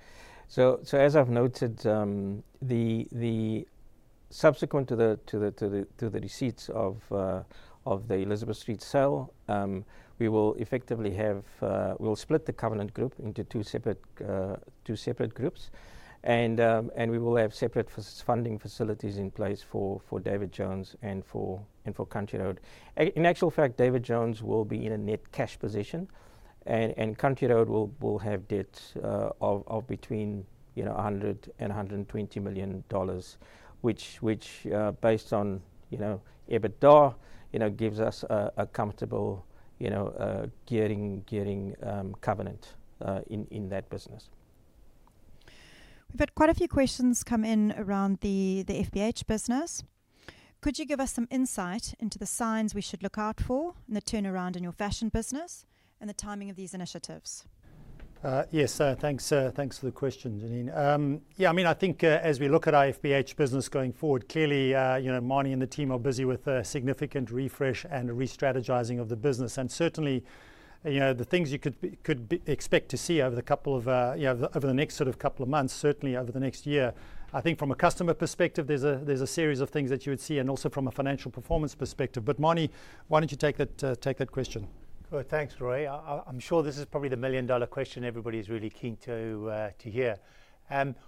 As I've noted, subsequent to the receipts of the Elizabeth Street sale, we will split the Country Road Group into two separate groups, and we will have separate funding facilities in place for David Jones and for Country Road. In actual fact, David Jones will be in a net cash position, and Country Road will have debts of between 100 million and 120 million dollars, which, based on EBITDA, gives us a comfortable gearing covenant in that business. We've had quite a few questions come in around the FBH business. Could you give us some insight into the signs we should look out for in the turnaround in your fashion business and the timing of these initiatives? Yes. Thanks for the question, Jeanine. I think as we look at our FBH business going forward, clearly, Manie and the team are busy with a significant refresh and re-strategizing of the business. Certainly, the things you could expect to see over the next couple of months, certainly over the next year, I think from a customer perspective, there's a series of things that you would see, and also from a financial performance perspective. Manie, why don't you take that question? Good. Thanks, Roy. I'm sure this is probably the million-dollar question everybody's really keen to hear.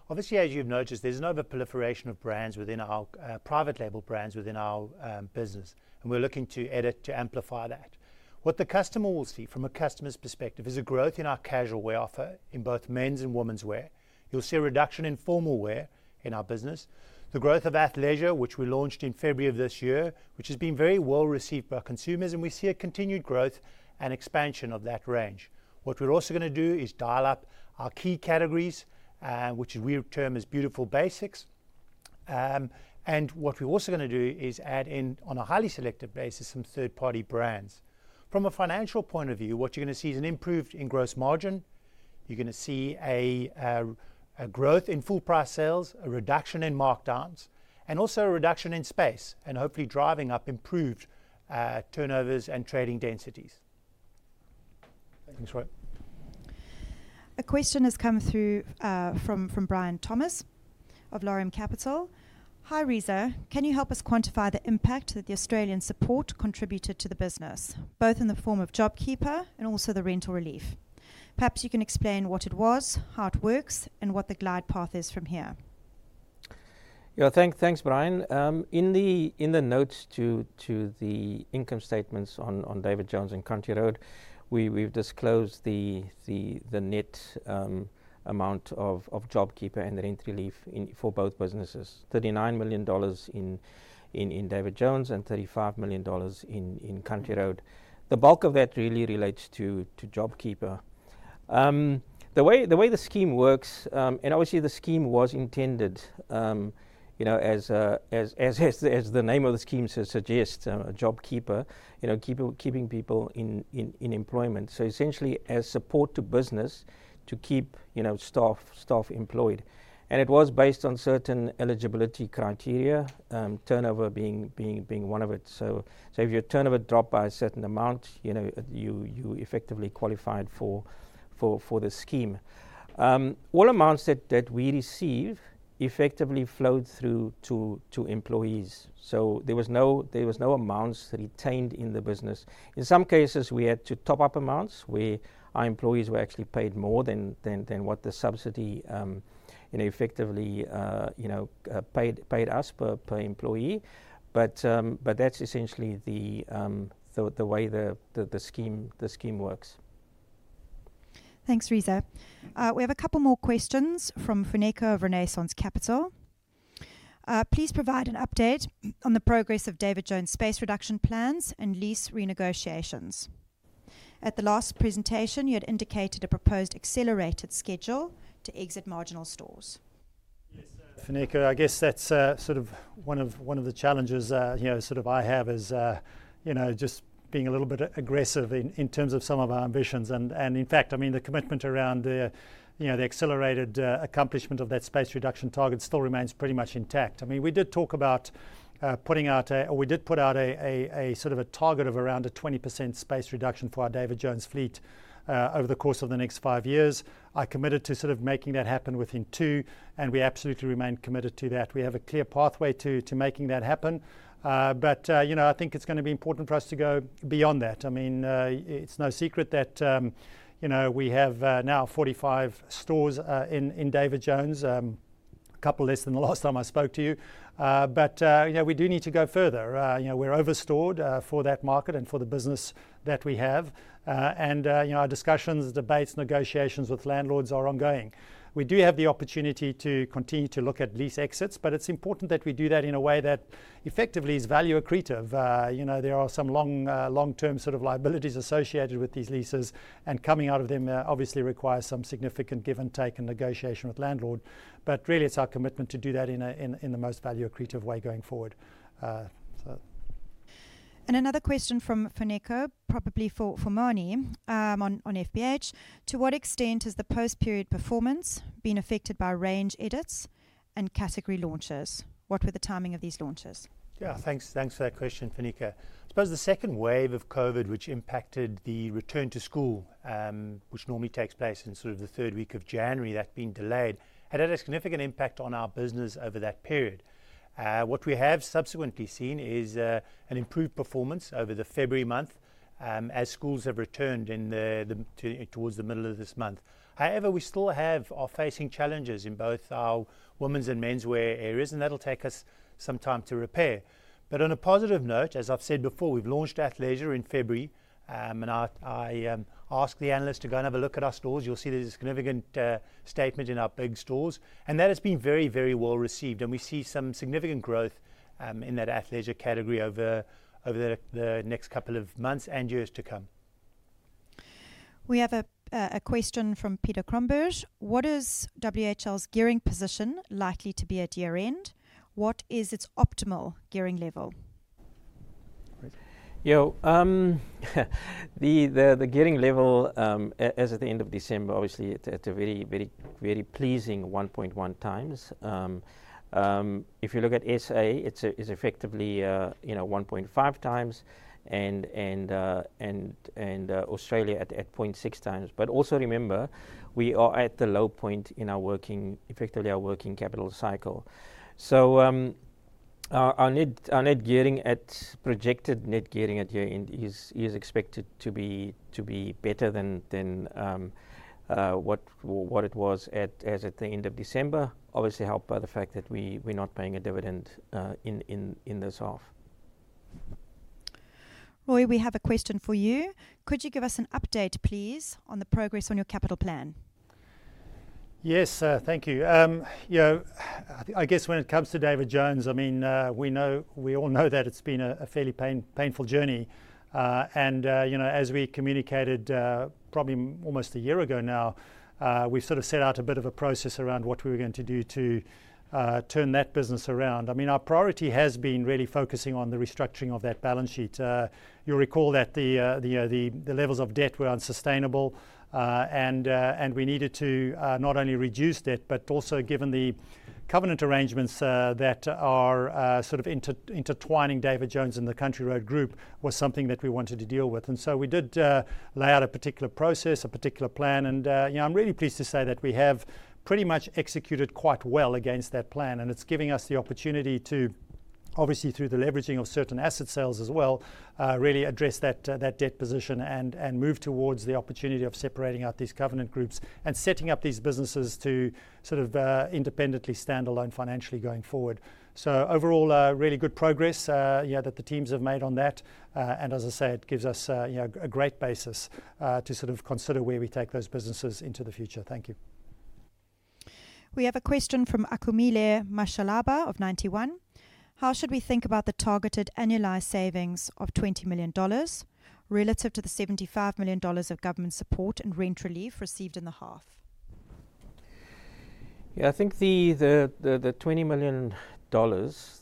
Obviously, as you've noticed, there's an over proliferation of private label brands within our business, and we're looking to edit to amplify that. What the customer will see from a customer's perspective is a growth in our casual wear offer in both men's and women's wear. You'll see a reduction in formal wear in our business. The growth of athleisure, which we launched in February of this year, which has been very well received by consumers, and we see a continued growth and expansion of that range. What we're also going to do is dial up our key categories, which we term as beautiful basics. What we're also going to do is add in, on a highly selective basis, some third-party brands. From a financial point of view, what you're going to see is an improvement in gross profit margin. You're going to see a growth in full price sales, a reduction in markdowns, and also a reduction in space, and hopefully driving up improved turnovers and trading densities. Thanks, Roy. A question has come through from Brian Thomas of Lorem Capital. "Hi, Reeza. Can you help us quantify the impact that the Australian support contributed to the business, both in the form of JobKeeper and also the rental relief? Perhaps you can explain what it was, how it works, and what the glide path is from here. Thanks, Brian. In the notes to the income statements on David Jones and Country Road, we've disclosed the net amount of JobKeeper and rent relief for both businesses, 39 million dollars in David Jones and 35 million dollars in Country Road. The bulk of that really relates to JobKeeper. The way the scheme works, obviously the scheme was intended, as the name of the scheme suggests, JobKeeper, keeping people in employment, essentially as support to business to keep staff employed. It was based on certain eligibility criteria, turnover being one of it. If your turnover dropped by a certain amount, you effectively qualified for the scheme. All amounts that we receive effectively flowed through to employees. There were no amounts retained in the business. In some cases, we had to top up amounts, where our employees were actually paid more than what the subsidy effectively paid us per employee. That's essentially the way the scheme works. Thanks, Reeza. We have a couple more questions from Funeka of Renaissance Capital. "Please provide an update on the progress of David Jones' space reduction plans and lease renegotiations. At the last presentation, you had indicated a proposed accelerated schedule to exit marginal stores. Yes, Funeka, I guess that's one of the challenges I have is, just being a little bit aggressive in terms of some of our ambitions. In fact, the commitment around the accelerated accomplishment of that space reduction target still remains pretty much intact. We did put out a target of around a 20% space reduction for our David Jones fleet over the course of the next five years. I committed to making that happen within two, and we absolutely remain committed to that. We have a clear pathway to making that happen. I think it's going to be important for us to go beyond that. It's no secret that we have now 45 stores in David Jones, a couple less than the last time I spoke to you. We do need to go further. We're over-stored for that market and for the business that we have. Our discussions, debates, negotiations with landlords are ongoing. We do have the opportunity to continue to look at lease exits, but it is important that we do that in a way that effectively is value accretive. There are some long-term liabilities associated with these leases, and coming out of them obviously requires some significant give and take and negotiation with landlord. Really, it is our commitment to do that in the most value-accretive way going forward. Another question from Funeka, probably for Manie on FBH. "To what extent has the post-period performance been affected by range edits and category launches? What were the timing of these launches? Thanks for that question, Funeka. I suppose the second wave of COVID, which impacted the return to school, which normally takes place in the third week of January, that being delayed, had a significant impact on our business over that period. What we have subsequently seen is an improved performance over the February month, as schools have returned towards the middle of this month. However, we still are facing challenges in both our women's and menswear areas, and that'll take us some time to repair. On a positive note, as I've said before, we've launched athleisure in February, and I ask the analysts to go and have a look at our stores. You'll see there's a significant statement in our big stores, and that has been very well received, and we see some significant growth in that athleisure category over the next couple of months and years to come. We have a question from Peter Cronberg. "What is WHL's gearing position likely to be at year-end? What is its optimal gearing level? The gearing level as at the end of December, obviously, at a very pleasing 1.1x. If you look at SA, it's effectively 1.5x, and Australia at 0.6x. Also remember, we are at the low point in effectively our working capital cycle. Our projected net gearing at year-end is expected to be better than what it was as at the end of December, obviously helped by the fact that we're not paying a dividend in this half. Roy, we have a question for you. "Could you give us an update, please, on the progress on your capital plan? Yes, thank you. I guess when it comes to David Jones, we all know that it's been a fairly painful journey. As we communicated probably almost a year ago now, we set out a bit of a process around what we were going to do to turn that business around. Our priority has been really focusing on the restructuring of that balance sheet. You'll recall that the levels of debt were unsustainable, and we needed to not only reduce debt, but also given the covenant arrangements that are intertwining David Jones and the Country Road Group, was something that we wanted to deal with. We did lay out a particular process, a particular plan, and I'm really pleased to say that we have pretty much executed quite well against that plan. It's giving us the opportunity to, obviously through the leveraging of certain asset sales as well, really address that debt position and move towards the opportunity of separating out these covenant groups and setting up these businesses to independently stand alone financially going forward. Overall, really good progress that the teams have made on that. As I say, it gives us a great basis to consider where we take those businesses into the future. Thank you. We have a question from Achumile Mashalaba of Ninety One. How should we think about the targeted annualized savings of 20 million dollars relative to the ZAR 75 million of government support and rent relief received in the half? Yeah, I think the 20 million dollars.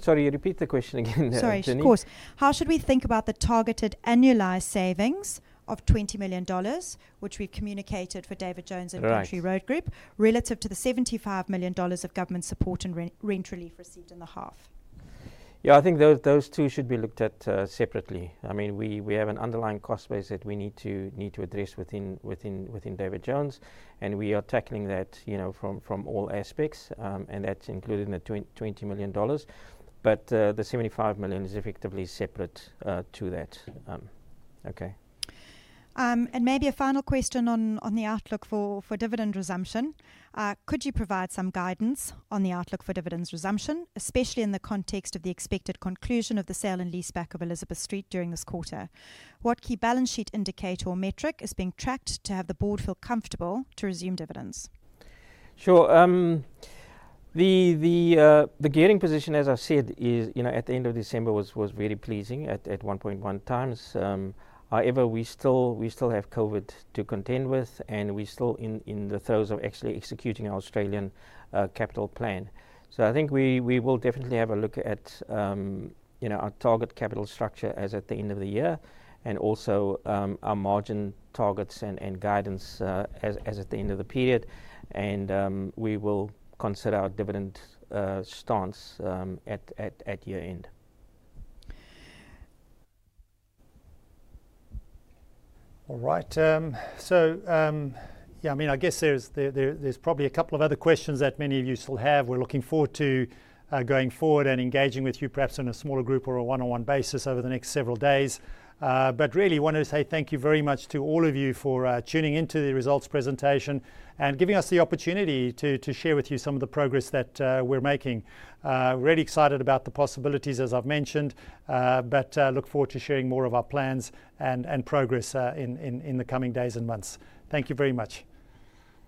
Sorry, repeat the question again, Jeanine Sorry, of course. How should we think about the targeted annualized savings of 20 million dollars, which we communicated for David Jones? Right Country Road Group, relative to the 75 million dollars of government support and rent relief received in the half? Yeah, I think those two should be looked at separately. We have an underlying cost base that we need to address within David Jones, and we are tackling that from all aspects. That's included in the ZAR 20 million. The 75 million is effectively separate to that. Okay. Maybe a final question on the outlook for dividend resumption. Could you provide some guidance on the outlook for dividends resumption, especially in the context of the expected conclusion of the sale and leaseback of Elizabeth Street during this quarter? What key balance sheet indicator or metric is being tracked to have the board feel comfortable to resume dividends? Sure. The gearing position, as I've said, at the end of December was very pleasing, at 1.1x. However, we still have COVID to contend with, and we're still in the throes of actually executing our Australian capital plan. I think we will definitely have a look at our target capital structure as at the end of the year, and also our margin targets and guidance as at the end of the period. We will consider our dividend stance at year-end. All right. I guess there's probably a couple of other questions that many of you still have. We're looking forward to going forward and engaging with you, perhaps on a smaller group or a one-on-one basis over the next several days. Really, wanted to say thank you very much to all of you for tuning into the results presentation and giving us the opportunity to share with you some of the progress that we're making. Really excited about the possibilities, as I've mentioned, but look forward to sharing more of our plans and progress in the coming days and months. Thank you very much.